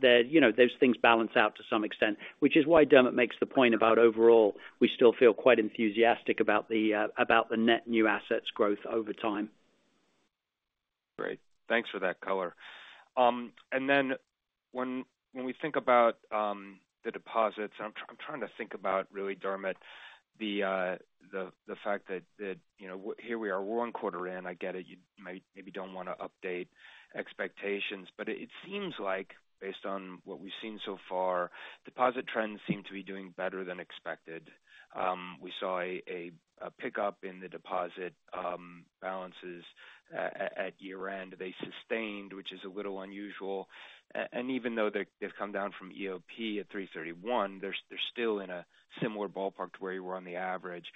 then, you know, those things balance out to some extent, which is why Dermot makes the point about overall, we still feel quite enthusiastic about the net new assets growth over time. Great. Thanks for that color. And then when we think about the deposits, I'm trying to think about, really, Dermot, the fact that, you know, here we are, we're one quarter in. I get it. You might maybe don't want to update expectations, but it seems like based on what we've seen so far, deposit trends seem to be doing better than expected. We saw a pickup in the deposit balances at year-end. They sustained, which is a little unusual. And even though they've come down from EOP at 3/31, they're still in a similar ballpark to where you were on the average.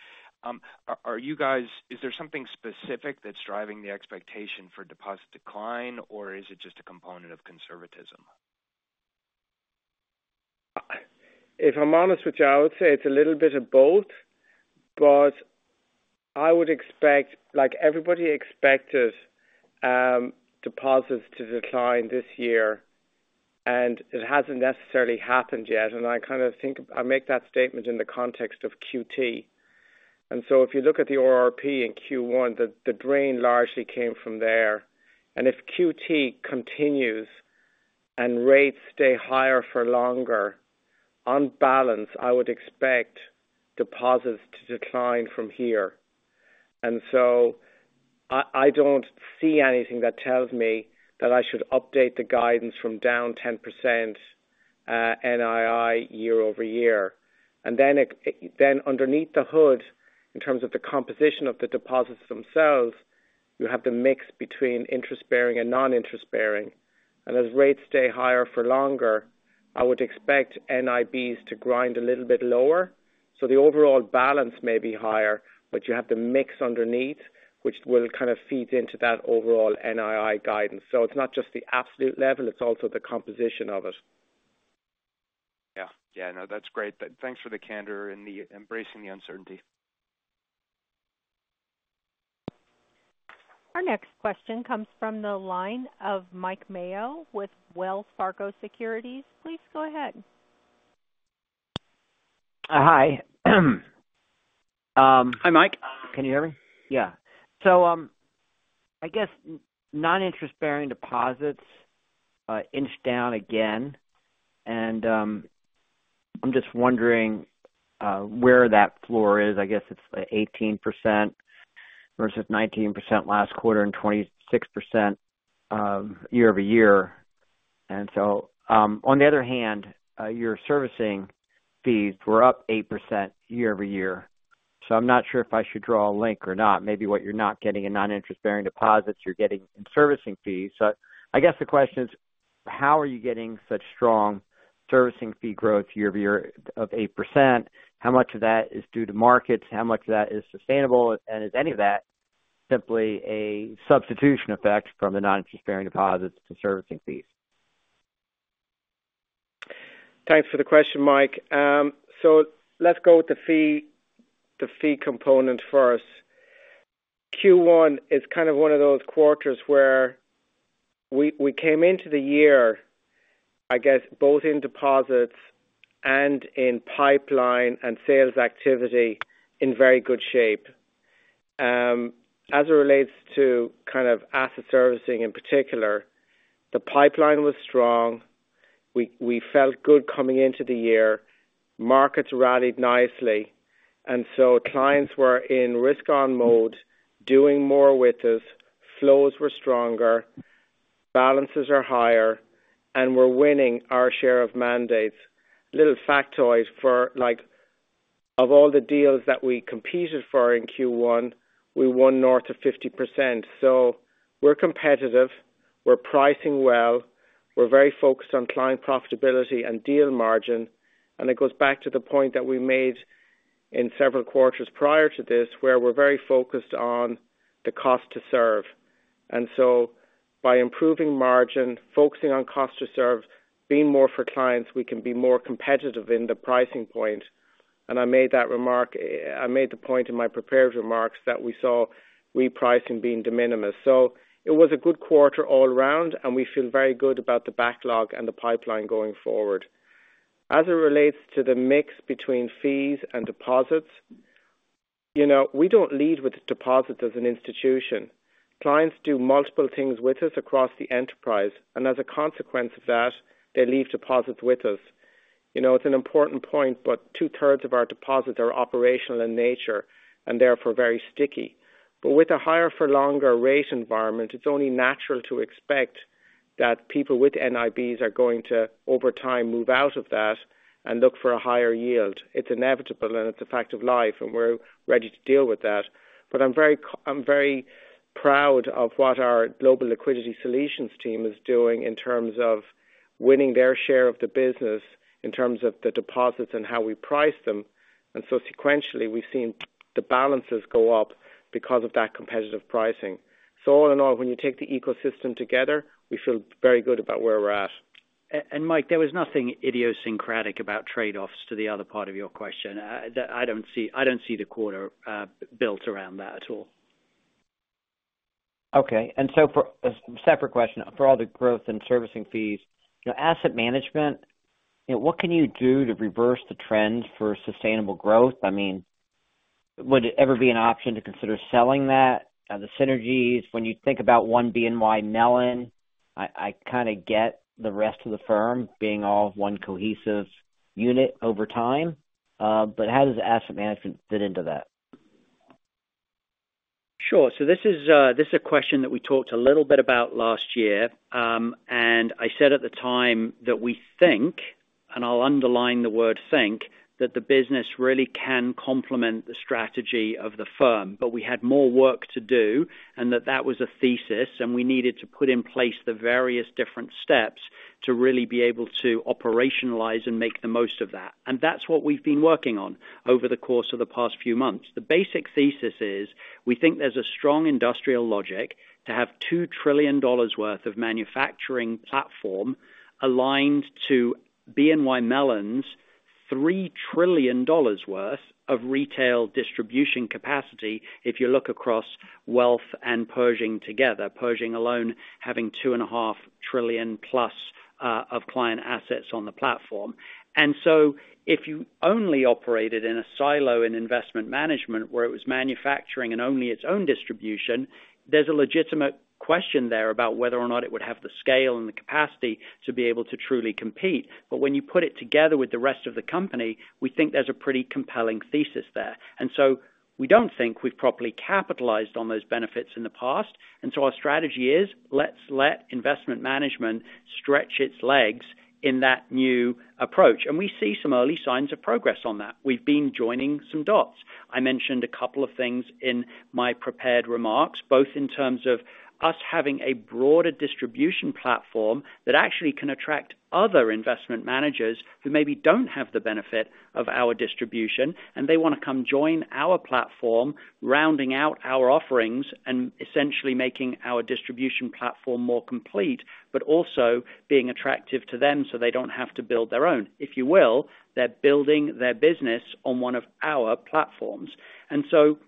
Are you guys... Is there something specific that's driving the expectation for deposit decline, or is it just a component of conservatism? If I'm honest with you, I would say it's a little bit of both, but I would expect, like everybody expected, deposits to decline this year, and it hasn't necessarily happened yet. And I kind of think I make that statement in the context of QT. And so if you look at the ON RRP in Q1, the drain largely came from there. And if QT continues and rates stay higher for longer, on balance, I would expect deposits to decline from here. And so I don't see anything that tells me that I should update the guidance from down 10%, NII year-over-year. And then underneath the hood, in terms of the composition of the deposits themselves, you have the mix between interest-bearing and non-interest-bearing. As rates stay higher for longer, I would expect NIBs to grind a little bit lower. The overall balance may be higher, but you have the mix underneath, which will kind of feed into that overall NII guidance. It's not just the absolute level, it's also the composition of it. Yeah. Yeah, no, that's great. Thanks for the candor and embracing the uncertainty. Our next question comes from the line of Mike Mayo with Wells Fargo Securities. Please go ahead. Hi. Um- Hi, Mike. Can you hear me? Yeah. So, I guess non-interest-bearing deposits inched down again, and, I'm just wondering, where that floor is. I guess it's, 18% versus 19% last quarter and 26%, year-over-year. And so, on the other hand, your servicing fees were up 8% year-over-year, so I'm not sure if I should draw a link or not. Maybe what you're not getting in non-interest-bearing deposits, you're getting in servicing fees. So I guess the question is: How are you getting such strong servicing fee growth year-over-year of 8%? How much of that is due to markets? How much of that is sustainable? And is any of that simply a substitution effect from the non-interest-bearing deposits to servicing fees? Thanks for the question, Mike. So let's go with the fee, the fee component first. Q1 is kind of one of those quarters where we, we came into the year, I guess, both in deposits and in pipeline and sales activity, in very good shape. As it relates to kind of Asset Servicing, in particular, the pipeline was strong. We, we felt good coming into the year. Markets rallied nicely, and so clients were in risk-on mode, doing more with us, flows were stronger, balances are higher, and we're winning our share of mandates. Little factoid for like, of all the deals that we competed for in Q1, we won north of 50%. So we're competitive, we're pricing well, we're very focused on client profitability and deal margin, and it goes back to the point that we made in several quarters prior to this, where we're very focused on the cost to serve. And so by improving margin, focusing on cost to serve, being more for clients, we can be more competitive in the pricing point. And I made that remark- I made the point in my prepared remarks that we saw repricing being de minimis. So it was a good quarter all around, and we feel very good about the backlog and the pipeline going forward. As it relates to the mix between fees and deposits, you know, we don't lead with deposits as an institution. Clients do multiple things with us across the enterprise, and as a consequence of that, they leave deposits with us. You know, it's an important point, but two-thirds of our deposits are operational in nature and therefore very sticky. But with a higher for longer rate environment, it's only natural to expect that people with NIBs are going to, over time, move out of that and look for a higher yield. It's inevitable, and it's a fact of life, and we're ready to deal with that. But I'm very proud of what our global liquidity solutions team is doing in terms of winning their share of the business, in terms of the deposits and how we price them. And so sequentially, we've seen the balances go up because of that competitive pricing. So all in all, when you take the ecosystem together, we feel very good about where we're at. And Mike, there was nothing idiosyncratic about trade-offs to the other part of your question. That I don't see, I don't see the quarter built around that at all. Okay. And so for a separate question, for all the growth and servicing fees, you know, Asset Management, you know, what can you do to reverse the trends for sustainable growth? I mean, would it ever be an option to consider selling that? The synergies, when you think about One BNY Mellon, I, I kind of get the rest of the firm being all one cohesive unit over time. But how does Asset Management fit into that? Sure. So this is a question that we talked a little bit about last year. And I said at the time that we think, and I'll underline the word think, that the business really can complement the strategy of the firm, but we had more work to do, and that that was a thesis, and we needed to put in place the various different steps to really be able to operationalize and make the most of that. And that's what we've been working on over the course of the past few months. The basic thesis is, we think there's a strong industrial logic to have $2 trillion worth of manufacturing platform aligned to BNY Mellon's $3 trillion worth of retail distribution capacity, if you look across wealth and Pershing together, Pershing alone, having $2.5+ trillion of client assets on the platform. And so if you only operated in a silo in investment management, where it was manufacturing and only its own distribution, there's a legitimate question there about whether or not it would have the scale and the capacity to be able to truly compete. But when you put it together with the rest of the company, we think there's a pretty compelling thesis there. And so we don't think we've properly capitalized on those benefits in the past, and so our strategy is, let's let Investment Management stretch its legs in that new approach. And we see some early signs of progress on that. We've been joining some dots. I mentioned a couple of things in my prepared remarks, both in terms of us having a broader distribution platform that actually can attract other investment managers who maybe don't have the benefit of our distribution, and they wanna come join our platform, rounding out our offerings and essentially making our distribution platform more complete. But also being attractive to them so they don't have to build their own. If you will, they're building their business on one of our platforms. And so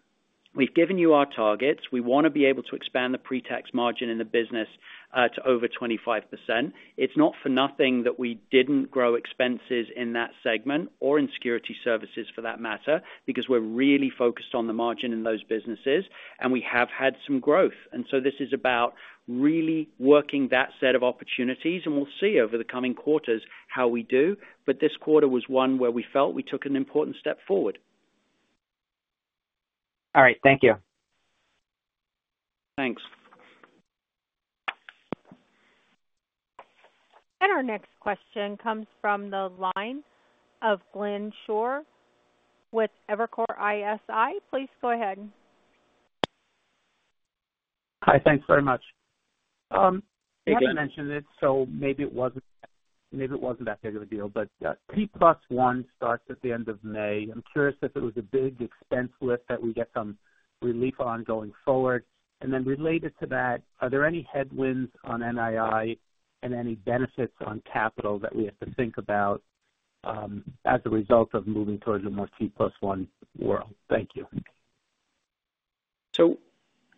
we've given you our targets. We wanna be able to expand the pre-tax margin in the business to over 25%. It's not for nothing that we didn't grow expenses in that segment or in Securities Services for that matter, because we're really focused on the margin in those businesses, and we have had some growth. And so this is about really working that set of opportunities, and we'll see over the coming quarters how we do. But this quarter was one where we felt we took an important step forward. All right. Thank you. Thanks. Our next question comes from the line of Glenn Schorr with Evercore ISI. Please go ahead. Hi, thanks very much. You hadn't mentioned it, so maybe it wasn't, maybe it wasn't that big of a deal, but, T+1 starts at the end of May. I'm curious if it was a big expense list that we get some relief on going forward. And then related to that, are there any headwinds on NII and any benefits on capital that we have to think about, as a result of moving towards a more T+1 world? Thank you....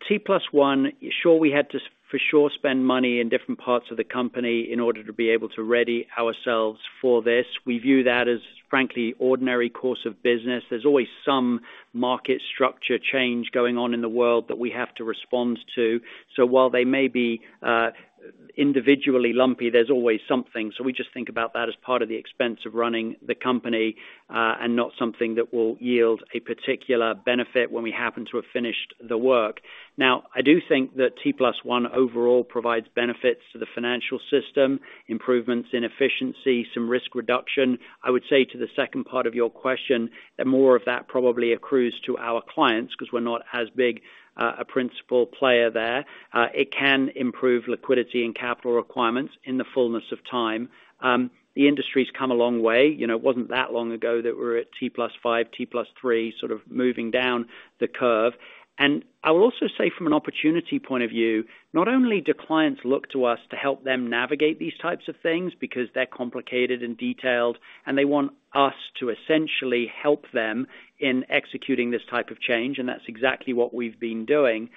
T+1, sure, we had to for sure spend money in different parts of the company in order to be able to ready ourselves for this. We view that as frankly ordinary course of business. There's always some market structure change going on in the world that we have to respond to. So while they may be, individually lumpy, there's always something. So we just think about that as part of the expense of running the company, and not something that will yield a particular benefit when we happen to have finished the work. Now, I do think that T+1 overall provides benefits to the financial system, improvements in efficiency, some risk reduction. I would say to the second part of your question, that more of that probably accrues to our clients because we're not as big, a principal player there. It can improve liquidity and capital requirements in the fullness of time. The industry's come a long way. You know, it wasn't that long ago that we were at T+5, T+3, sort of moving down the curve. I will also say from an opportunity point of view, not only do clients look to us to help them navigate these types of things because they're complicated and detailed, and they want us to essentially help them in executing this type of change, and that's exactly what we've been doing.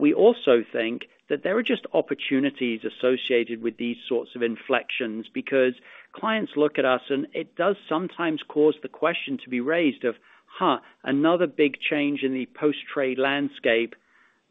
We also think that there are just opportunities associated with these sorts of inflections, because clients look at us, and it does sometimes cause the question to be raised of, "Huh, another big change in the post-trade landscape.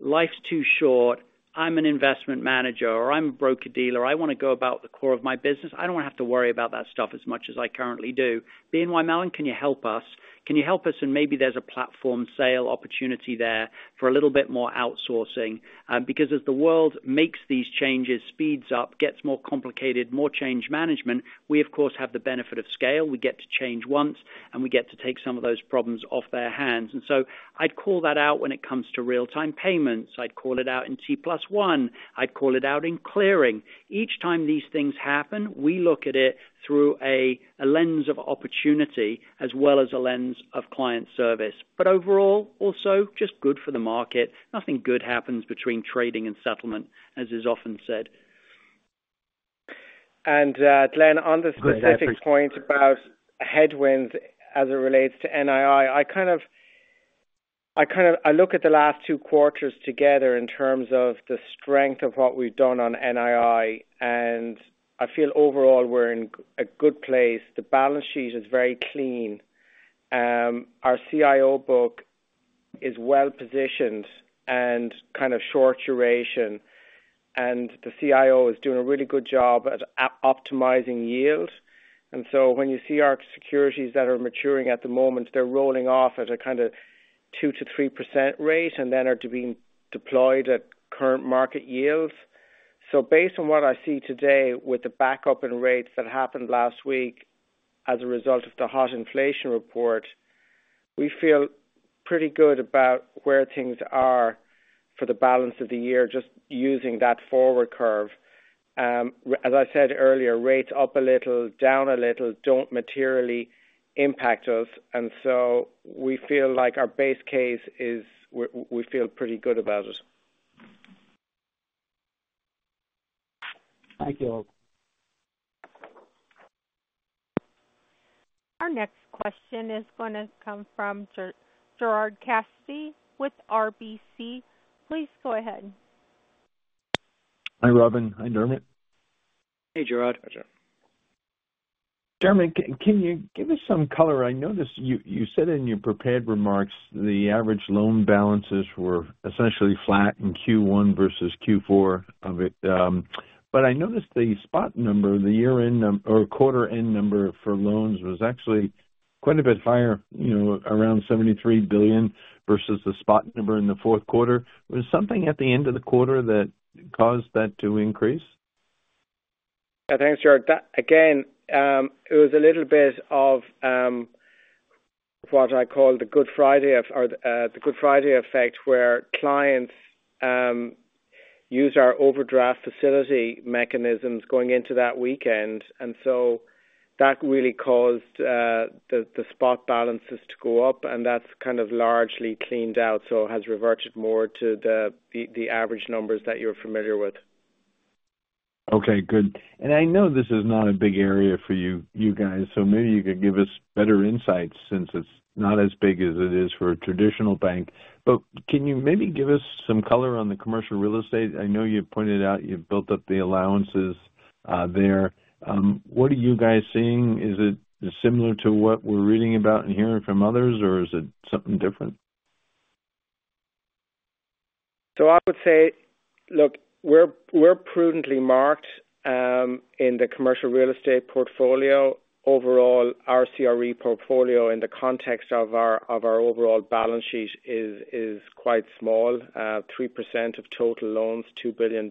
Life's too short. I'm an investment manager or I'm a broker-dealer. I want to go about the core of my business. I don't want to have to worry about that stuff as much as I currently do. BNY Mellon, can you help us? Can you help us?" Maybe there's a platform sale opportunity there for a little bit more outsourcing. Because as the world makes these changes, speeds up, gets more complicated, more change management, we of course have the benefit of scale. We get to change once, and we get to take some of those problems off their hands. So I'd call that out when it comes to real-time payments. I'd call it out in T+1. I'd call it out in clearing. Each time these things happen, we look at it through a lens of opportunity as well as a lens of client service. But overall, also just good for the market. Nothing good happens between trading and settlement, as is often said. And, Glenn, on the specific point about headwinds as it relates to NII, I look at the last two quarters together in terms of the strength of what we've done on NII, and I feel overall we're in a good place. The balance sheet is very clean. Our CIO book is well-positioned and kind of short duration, and the CIO is doing a really good job at optimizing yield. And so when you see our securities that are maturing at the moment, they're rolling off at a kind of 2%-3% rate and then are to being deployed at current market yields. So based on what I see today, with the backup in rates that happened last week as a result of the hot inflation report, we feel pretty good about where things are for the balance of the year, just using that forward curve. As I said earlier, rates up a little, down a little, don't materially impact us, and so we feel like our base case is we feel pretty good about it. Thank you. Our next question is going to come from Gerard Cassidy with RBC. Please go ahead. Hi, Robin. Hi, Dermot. Hey, Gerard. Pleasure. Dermot, can you give us some color? I noticed you said in your prepared remarks the average loan balances were essentially flat in Q1 versus Q4 of it. But I noticed the spot number, the year-end or quarter-end number for loans was actually quite a bit higher, you know, around $73 billion versus the spot number in the fourth quarter. Was something at the end of the quarter that caused that to increase? Thanks, Gerard. That again, it was a little bit of what I call the Good Friday effect, where clients use our overdraft facility mechanisms going into that weekend, and so that really caused the spot balances to go up, and that's kind of largely cleaned out, so has reverted more to the average numbers that you're familiar with. Okay, good. And I know this is not a big area for you, you guys, so maybe you could give us better insights since it's not as big as it is for a traditional bank. But can you maybe give us some color on the commercial real estate? I know you've pointed out you've built up the allowances there. What are you guys seeing? Is it similar to what we're reading about and hearing from others, or is it something different? So I would say, look, we're, we're prudently marked in the commercial real estate portfolio. Overall, our CRE portfolio, in the context of our, of our overall balance sheet is quite small, 3% of total loans, $2 billion.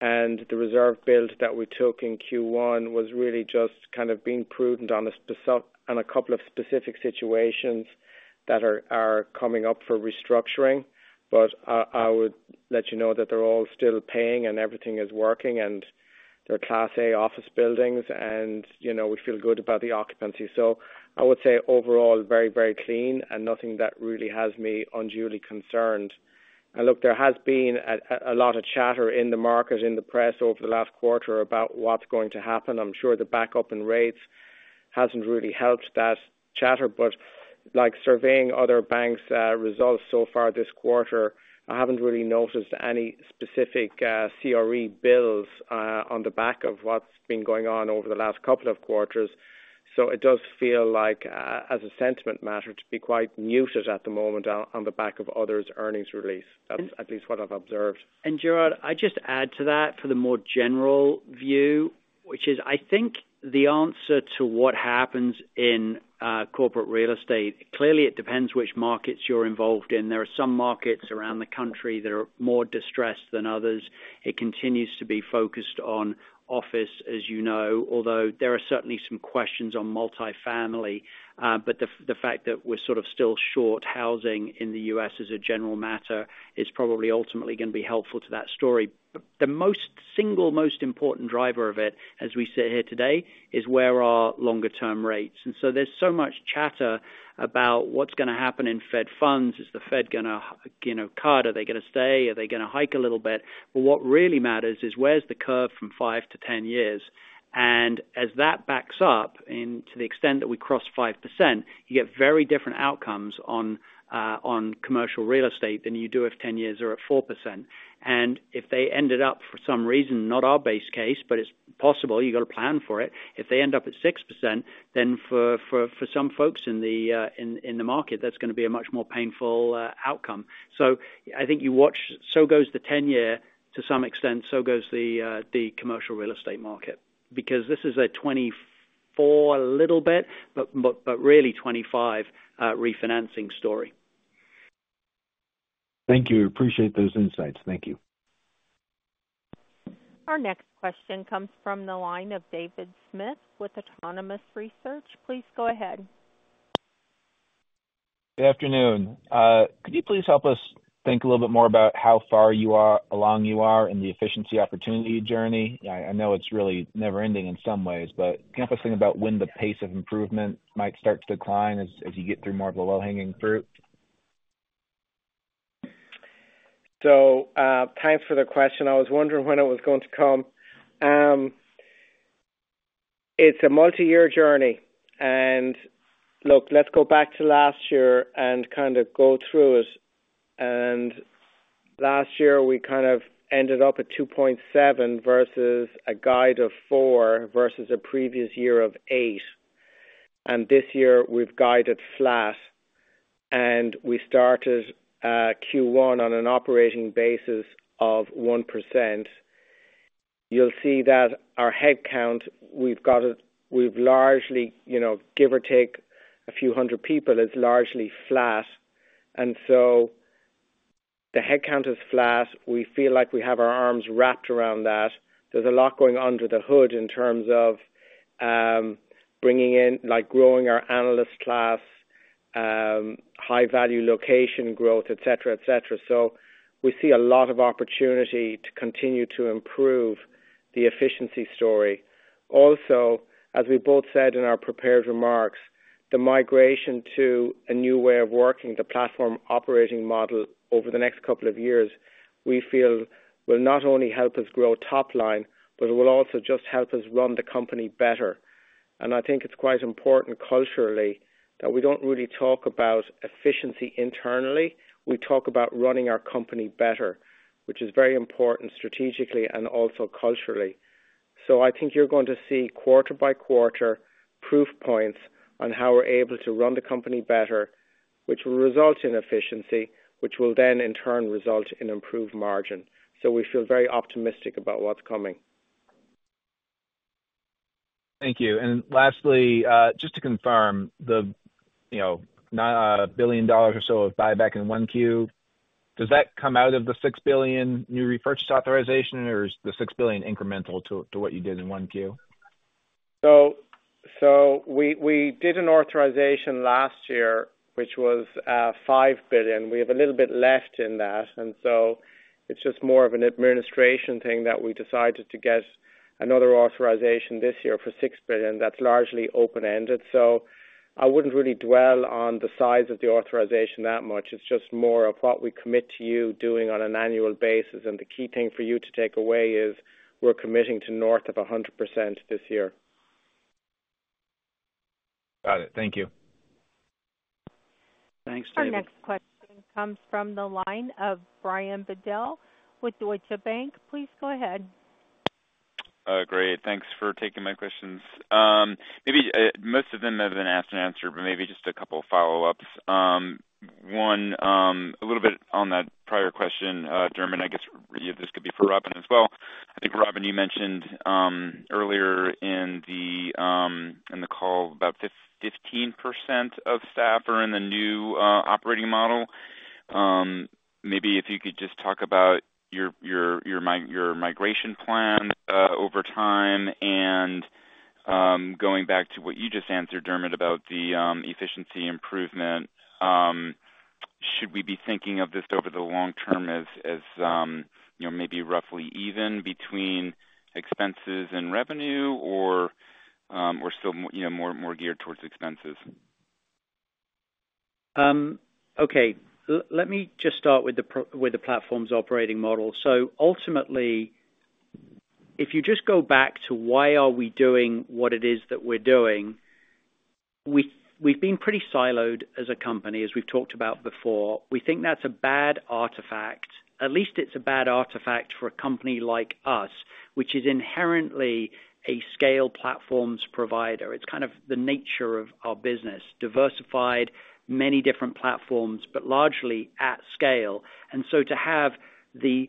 And the reserve build that we took in Q1 was really just kind of being prudent on a couple of specific situations that are, are coming up for restructuring. But I, I would let you know that they're all still paying and everything is working, and they're Class A office buildings, and, you know, we feel good about the occupancy. So I would say overall, very, very clean and nothing that really has me unduly concerned. And look, there has been a lot of chatter in the market, in the press over the last quarter about what's going to happen. I'm sure the backup in rates hasn't really helped that chatter. But like surveying other banks' results so far this quarter, I haven't really noticed any specific CRE bills on the back of what's been going on over the last couple of quarters. So it does feel like, as a sentiment matter, to be quite muted at the moment on the back of others' earnings release. That's at least what I've observed. Gerard, I just add to that for the more general view, which is, I think, the answer to what happens in commercial real estate. Clearly, it depends which markets you're involved in. There are some markets around the country that are more distressed than others. It continues to be focused on office, as you know, although there are certainly some questions on multifamily. But the fact that we're sort of still short housing in the U.S. as a general matter is probably ultimately gonna be helpful to that story. But the single most important driver of it, as we sit here today, is where are longer term rates? And so there's so much chatter about what's gonna happen in Fed funds. Is the Fed gonna, you know, cut? Are they gonna stay? Are they gonna hike a little bit? But what really matters is, where's the curve from five to 10 years? And as that backs up, and to the extent that we cross 5%, you get very different outcomes on commercial real estate than you do if 10 years are at 4%. And if they ended up, for some reason, not our base case, but it's possible, you've got to plan for it. If they end up at 6%, then for some folks in the market, that's gonna be a much more painful outcome. So I think you watch, so goes the 10-year to some extent, so goes the commercial real estate market, because this is a 2024 a little bit, but really 2025 refinancing story. Thank you. Appreciate those insights. Thank you. Our next question comes from the line of David Smith with Autonomous Research. Please go ahead. Good afternoon. Could you please help us think a little bit more about how far along you are in the efficiency opportunity journey? I know it's really never ending in some ways, but can you help us think about when the pace of improvement might start to decline as you get through more of the low-hanging fruit? So, thanks for the question. I was wondering when it was going to come. It's a multi-year journey, and look, let's go back to last year and kind of go through it. And last year, we kind of ended up at 2.7% versus a guide of 4%, versus a previous year of 8%. And this year, we've guided flat, and we started Q1 on an operating basis of 1%. You'll see that our headcount, we've got it—we've largely, you know, give or take a few hundred people, is largely flat. And so the headcount is flat. We feel like we have our arms wrapped around that. There's a lot going on under the hood in terms of, bringing in, like, growing our analyst class, high value location growth, et cetera, et cetera. So we see a lot of opportunity to continue to improve the efficiency story. Also, as we both said in our prepared remarks, the migration to a new way of working, the Platforms Operating Model over the next couple of years, we feel will not only help us grow top line, but it will also just help us run the company better. And I think it's quite important culturally, that we don't really talk about efficiency internally. We talk about running our company better, which is very important strategically and also culturally. So I think you're going to see quarter by quarter proof points on how we're able to run the company better, which will result in efficiency, which will then in turn result in improved margin. So we feel very optimistic about what's coming. Thank you. And lastly, just to confirm, the, you know, $1 billion or so of buyback in 1Q, does that come out of the $6 billion new repurchase authorization, or is the $6 billion incremental to, to what you did in 1Q? So we did an authorization last year, which was $5 billion. We have a little bit left in that, and so it's just more of an administration thing that we decided to get another authorization this year for $6 billion. That's largely open-ended, so I wouldn't really dwell on the size of the authorization that much. It's just more of what we commit to you doing on an annual basis. And the key thing for you to take away is we're committing to north of 100% this year. Got it. Thank you. Thanks, David. Our next question comes from the line of Brian Bedell with Deutsche Bank. Please go ahead. Great, thanks for taking my questions. Maybe most of them have been asked and answered, but maybe just a couple of follow-ups. One, a little bit on that prior question, Dermot. I guess this could be for Robin as well. I think, Robin, you mentioned earlier in the call about 15% of staff are in the new operating model. Maybe if you could just talk about your migration plan over time. And, going back to what you just answered, Dermot, about the efficiency improvement, should we be thinking of this over the long term as, you know, maybe roughly even between expenses and revenue or still, you know, more geared towards expenses?... Okay, let me just start with the Platforms Operating Model. So ultimately, if you just go back to why are we doing what it is that we're doing, we, we've been pretty siloed as a company, as we've talked about before. We think that's a bad artifact. At least it's a bad artifact for a company like us, which is inherently a scale platforms provider. It's kind of the nature of our business, diversified many different platforms, but largely at scale. And so to have the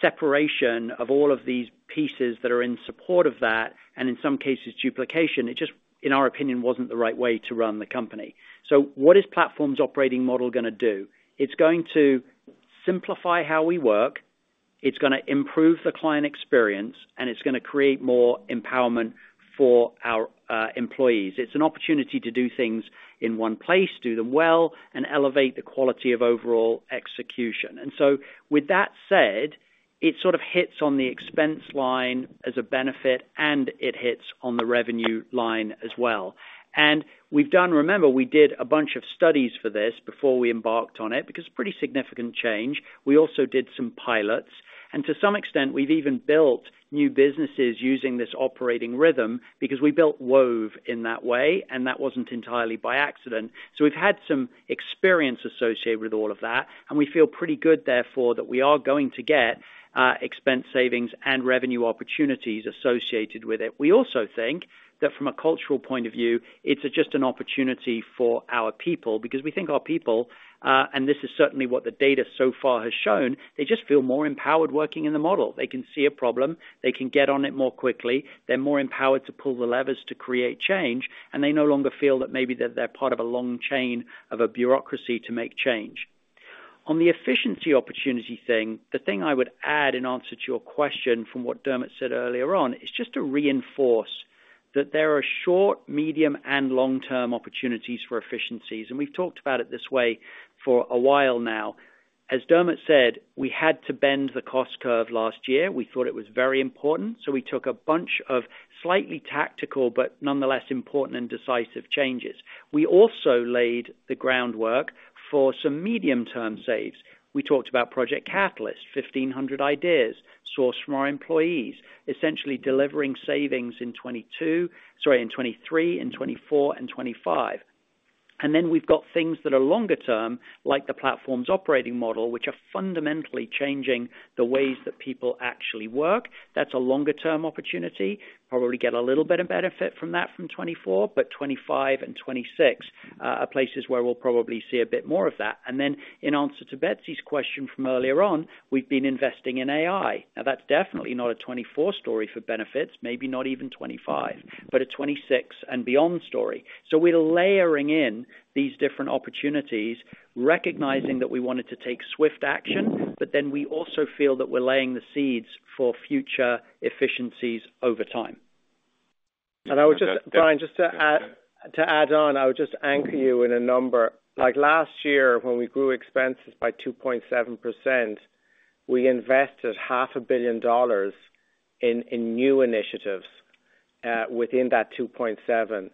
separation of all of these pieces that are in support of that, and in some cases, duplication, it just, in our opinion, wasn't the right way to run the company. So what is Platforms Operating Model gonna do? It's going to simplify how we work, it's gonna improve the client experience, and it's gonna create more empowerment for our employees. It's an opportunity to do things in one place, do them well, and elevate the quality of overall execution. And so with that said, it sort of hits on the expense line as a benefit, and it hits on the revenue line as well. And we've done, remember, we did a bunch of studies for this before we embarked on it, because it's pretty significant change. We also did some pilots, and to some extent, we've even built new businesses using this operating rhythm, because we built Wove in that way, and that wasn't entirely by accident. So we've had some experience associated with all of that, and we feel pretty good, therefore, that we are going to get, expense savings and revenue opportunities associated with it. We also think that from a cultural point of view, it's just an opportunity for our people, because we think our people, and this is certainly what the data so far has shown, they just feel more empowered working in the model. They can see a problem, they can get on it more quickly, they're more empowered to pull the levers to create change, and they no longer feel that maybe that they're part of a long chain of a bureaucracy to make change. On the efficiency opportunity thing, the thing I would add in answer to your question from what Dermot said earlier on, is just to reinforce that there are short, medium, and long-term opportunities for efficiencies, and we've talked about it this way for a while now. As Dermot said, we had to bend the cost curve last year. We thought it was very important, so we took a bunch of slightly tactical, but nonetheless important and decisive changes. We also laid the groundwork for some medium-term saves. We talked about Project Catalyst, 1,500 ideas sourced from our employees, essentially delivering savings in 2023, 2024, and 2025. And then we've got things that are longer term, like the platform's operating model, which are fundamentally changing the ways that people actually work. That's a longer-term opportunity. Probably get a little bit of benefit from that from 2024, but 2025 and 2026 are places where we'll probably see a bit more of that. And then in answer to Betsy's question from earlier on, we've been investing in AI. Now, that's definitely not a 2024 story for benefits, maybe not even 2025, but a 2026 and beyond story. So we're layering in these different opportunities, recognizing that we wanted to take swift action, but then we also feel that we're laying the seeds for future efficiencies over time. And I would just—Brian, just to add, to add on, I would just anchor you in a number. Like last year, when we grew expenses by 2.7%, we invested $500 million in new initiatives within that 2.7%,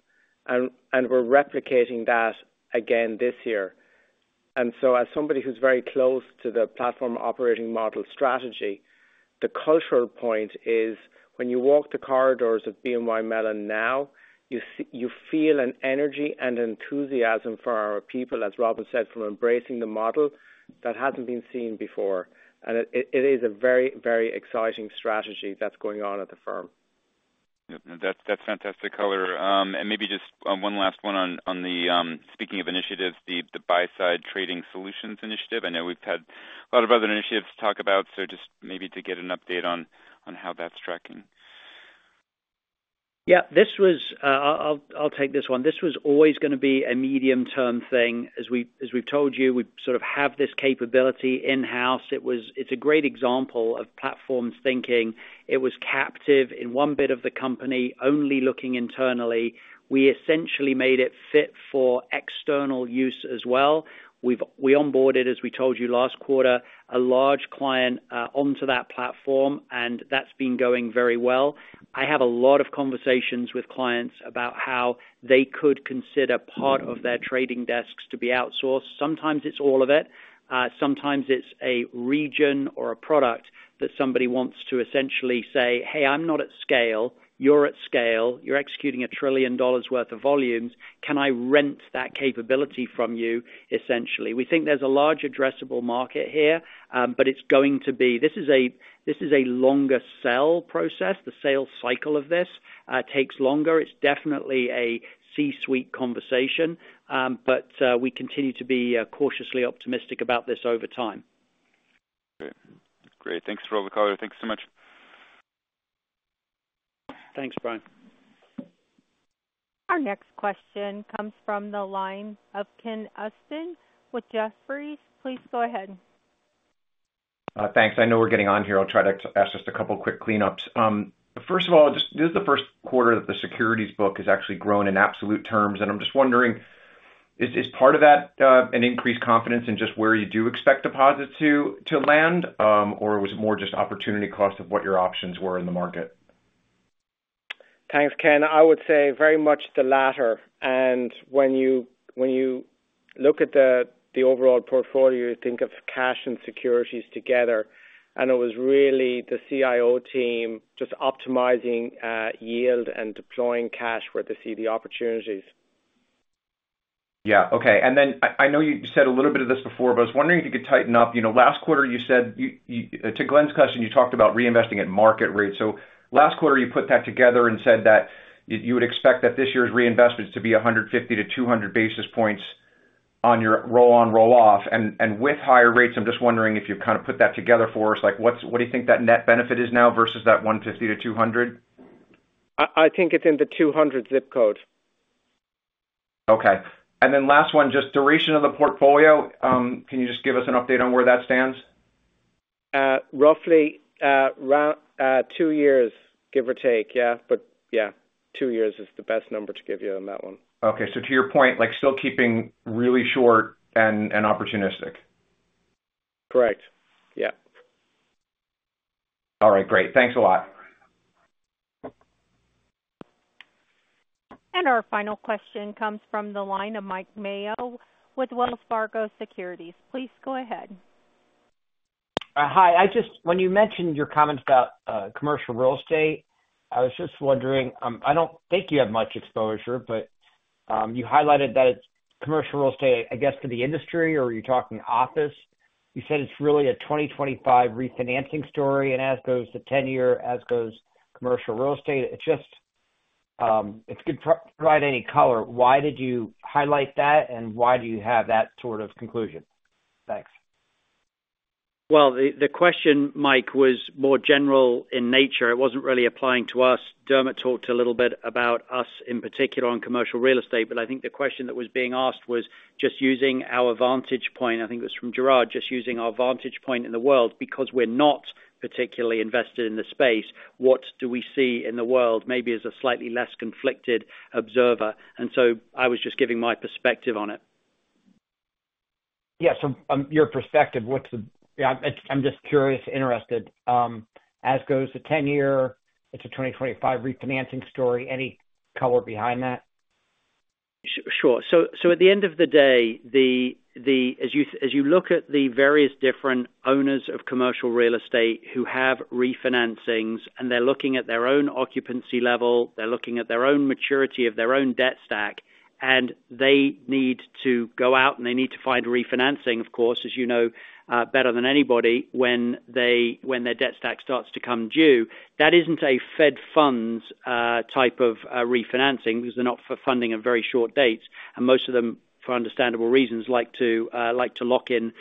and we're replicating that again this year. And so as somebody who's very close to the Platforms Operating Model strategy, the cultural point is when you walk the corridors of BNY Mellon now, you feel an energy and enthusiasm for our people, as Robin said, from embracing the model that hasn't been seen before. And it is a very, very exciting strategy that's going on at the firm. Yep, that's fantastic color. And maybe just one last one on the speaking of initiatives, the Buy-Side Trading Solutions initiative. I know we've had a lot of other initiatives to talk about, so just maybe to get an update on how that's tracking. Yeah, this was... I'll, I'll take this one. This was always gonna be a medium-term thing. As we've told you, we sort of have this capability in-house. It was. It's a great example of platforms thinking. It was captive in one bit of the company, only looking internally. We essentially made it fit for external use as well. We've onboarded, as we told you last quarter, a large client onto that platform, and that's been going very well. I have a lot of conversations with clients about how they could consider part of their trading desks to be outsourced. Sometimes it's all of it, sometimes it's a region or a product that somebody wants to essentially say, "Hey, I'm not at scale. You're at scale. You're executing $1 trillion worth of volumes. Can I rent that capability from you?" essentially. We think there's a large addressable market here, but it's going to be a longer sell process. The sales cycle of this takes longer. It's definitely a C-suite conversation, but we continue to be cautiously optimistic about this over time. Great. Great. Thanks for all the color. Thanks so much. Thanks, Brian. Our next question comes from the line of Ken Usdin with Jefferies. Please go ahead. Thanks. I know we're getting on here. I'll try to ask just a couple quick cleanups. First of all, just this is the first quarter that the securities book has actually grown in absolute terms, and I'm just wondering, is part of that an increased confidence in just where you do expect deposits to land, or was it more just opportunity cost of what your options were in the market? Thanks, Ken. I would say very much the latter. And when you look at the overall portfolio, you think of cash and securities together, and it was really the CIO team just optimizing yield and deploying cash where they see the opportunities. Yeah. Okay. And then I know you said a little bit of this before, but I was wondering if you could tighten up. You know, last quarter, you said to Glenn's question, you talked about reinvesting at market rates. So last quarter, you put that together and said that you would expect that this year's reinvestments to be 150-200 basis points on your roll on, roll off. And with higher rates, I'm just wondering if you kind of put that together for us. Like, what do you think that net benefit is now versus that 150-200? I think it's in the 200 zip code. Okay. And then last one, just duration of the portfolio. Can you just give us an update on where that stands? Roughly round two years, give or take. Yeah, but yeah, two years is the best number to give you on that one. Okay. So to your point, like, still keeping really short and opportunistic? Correct. Yeah. All right, great. Thanks a lot. Our final question comes from the line of Mike Mayo with Wells Fargo Securities. Please go ahead. Hi. I just... When you mentioned your comments about commercial real estate, I was just wondering, I don't think you have much exposure, but you highlighted that commercial real estate, I guess, to the industry, or are you talking office? You said it's really a 2025 refinancing story, and as goes the 10-year, as goes commercial real estate. It's just, if you could provide any color, why did you highlight that, and why do you have that sort of conclusion? Thanks. Well, the question, Mike, was more general in nature. It wasn't really applying to us. Dermot talked a little bit about us, in particular, on commercial real estate, but I think the question that was being asked was just using our vantage point. I think it was from Gerard, just using our vantage point in the world, because we're not particularly invested in the space. What do we see in the world, maybe as a slightly less conflicted observer? And so I was just giving my perspective on it. Yeah. So, your perspective, what's the... Yeah, I'm just curious, interested. As goes the 10-year, it's a 2025 refinancing story. Any color behind that? Sure. So at the end of the day, as you look at the various different owners of commercial real estate who have refinancings, and they're looking at their own occupancy level, they're looking at their own maturity of their own debt stack, and they need to go out, and they need to find refinancing, of course, as you know, better than anybody, when their debt stack starts to come due. That isn't a Fed funds type of refinancing, because they're not for funding of very short dates, and most of them, for understandable reasons, like to lock in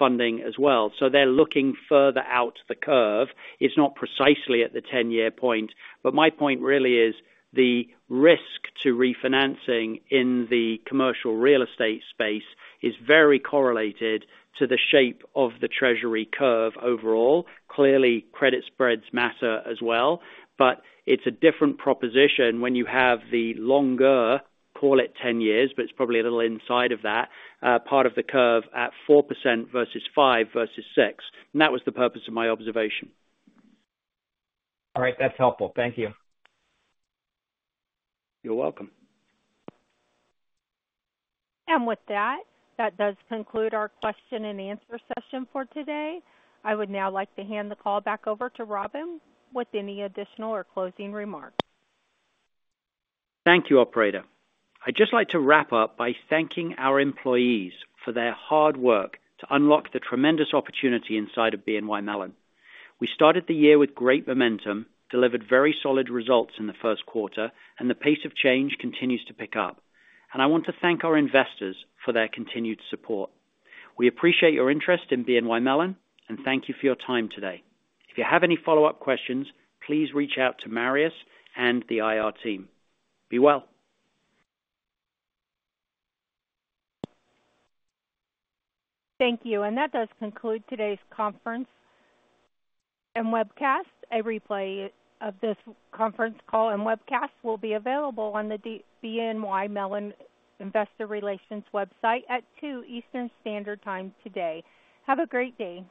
funding as well. So they're looking further out the curve. It's not precisely at the 10-year point, but my point really is the risk to refinancing in the commercial real estate space is very correlated to the shape of the Treasury curve overall. Clearly, credit spreads matter as well, but it's a different proposition when you have the longer, call it 10 years, but it's probably a little inside of that, part of the curve at 4% versus 5% versus 6%, and that was the purpose of my observation. All right. That's helpful. Thank you. You're welcome. With that, that does conclude our question and answer session for today. I would now like to hand the call back over to Robin with any additional or closing remarks. Thank you, operator. I'd just like to wrap up by thanking our employees for their hard work to unlock the tremendous opportunity inside of BNY Mellon. We started the year with great momentum, delivered very solid results in the first quarter, and the pace of change continues to pick up, and I want to thank our investors for their continued support. We appreciate your interest in BNY Mellon, and thank you for your time today. If you have any follow-up questions, please reach out to Marius and the IR team. Be well. Thank you, and that does conclude today's conference and webcast. A replay of this conference call and webcast will be available on the BNY Mellon Investor Relations website at 2 Eastern Standard Time today. Have a great day.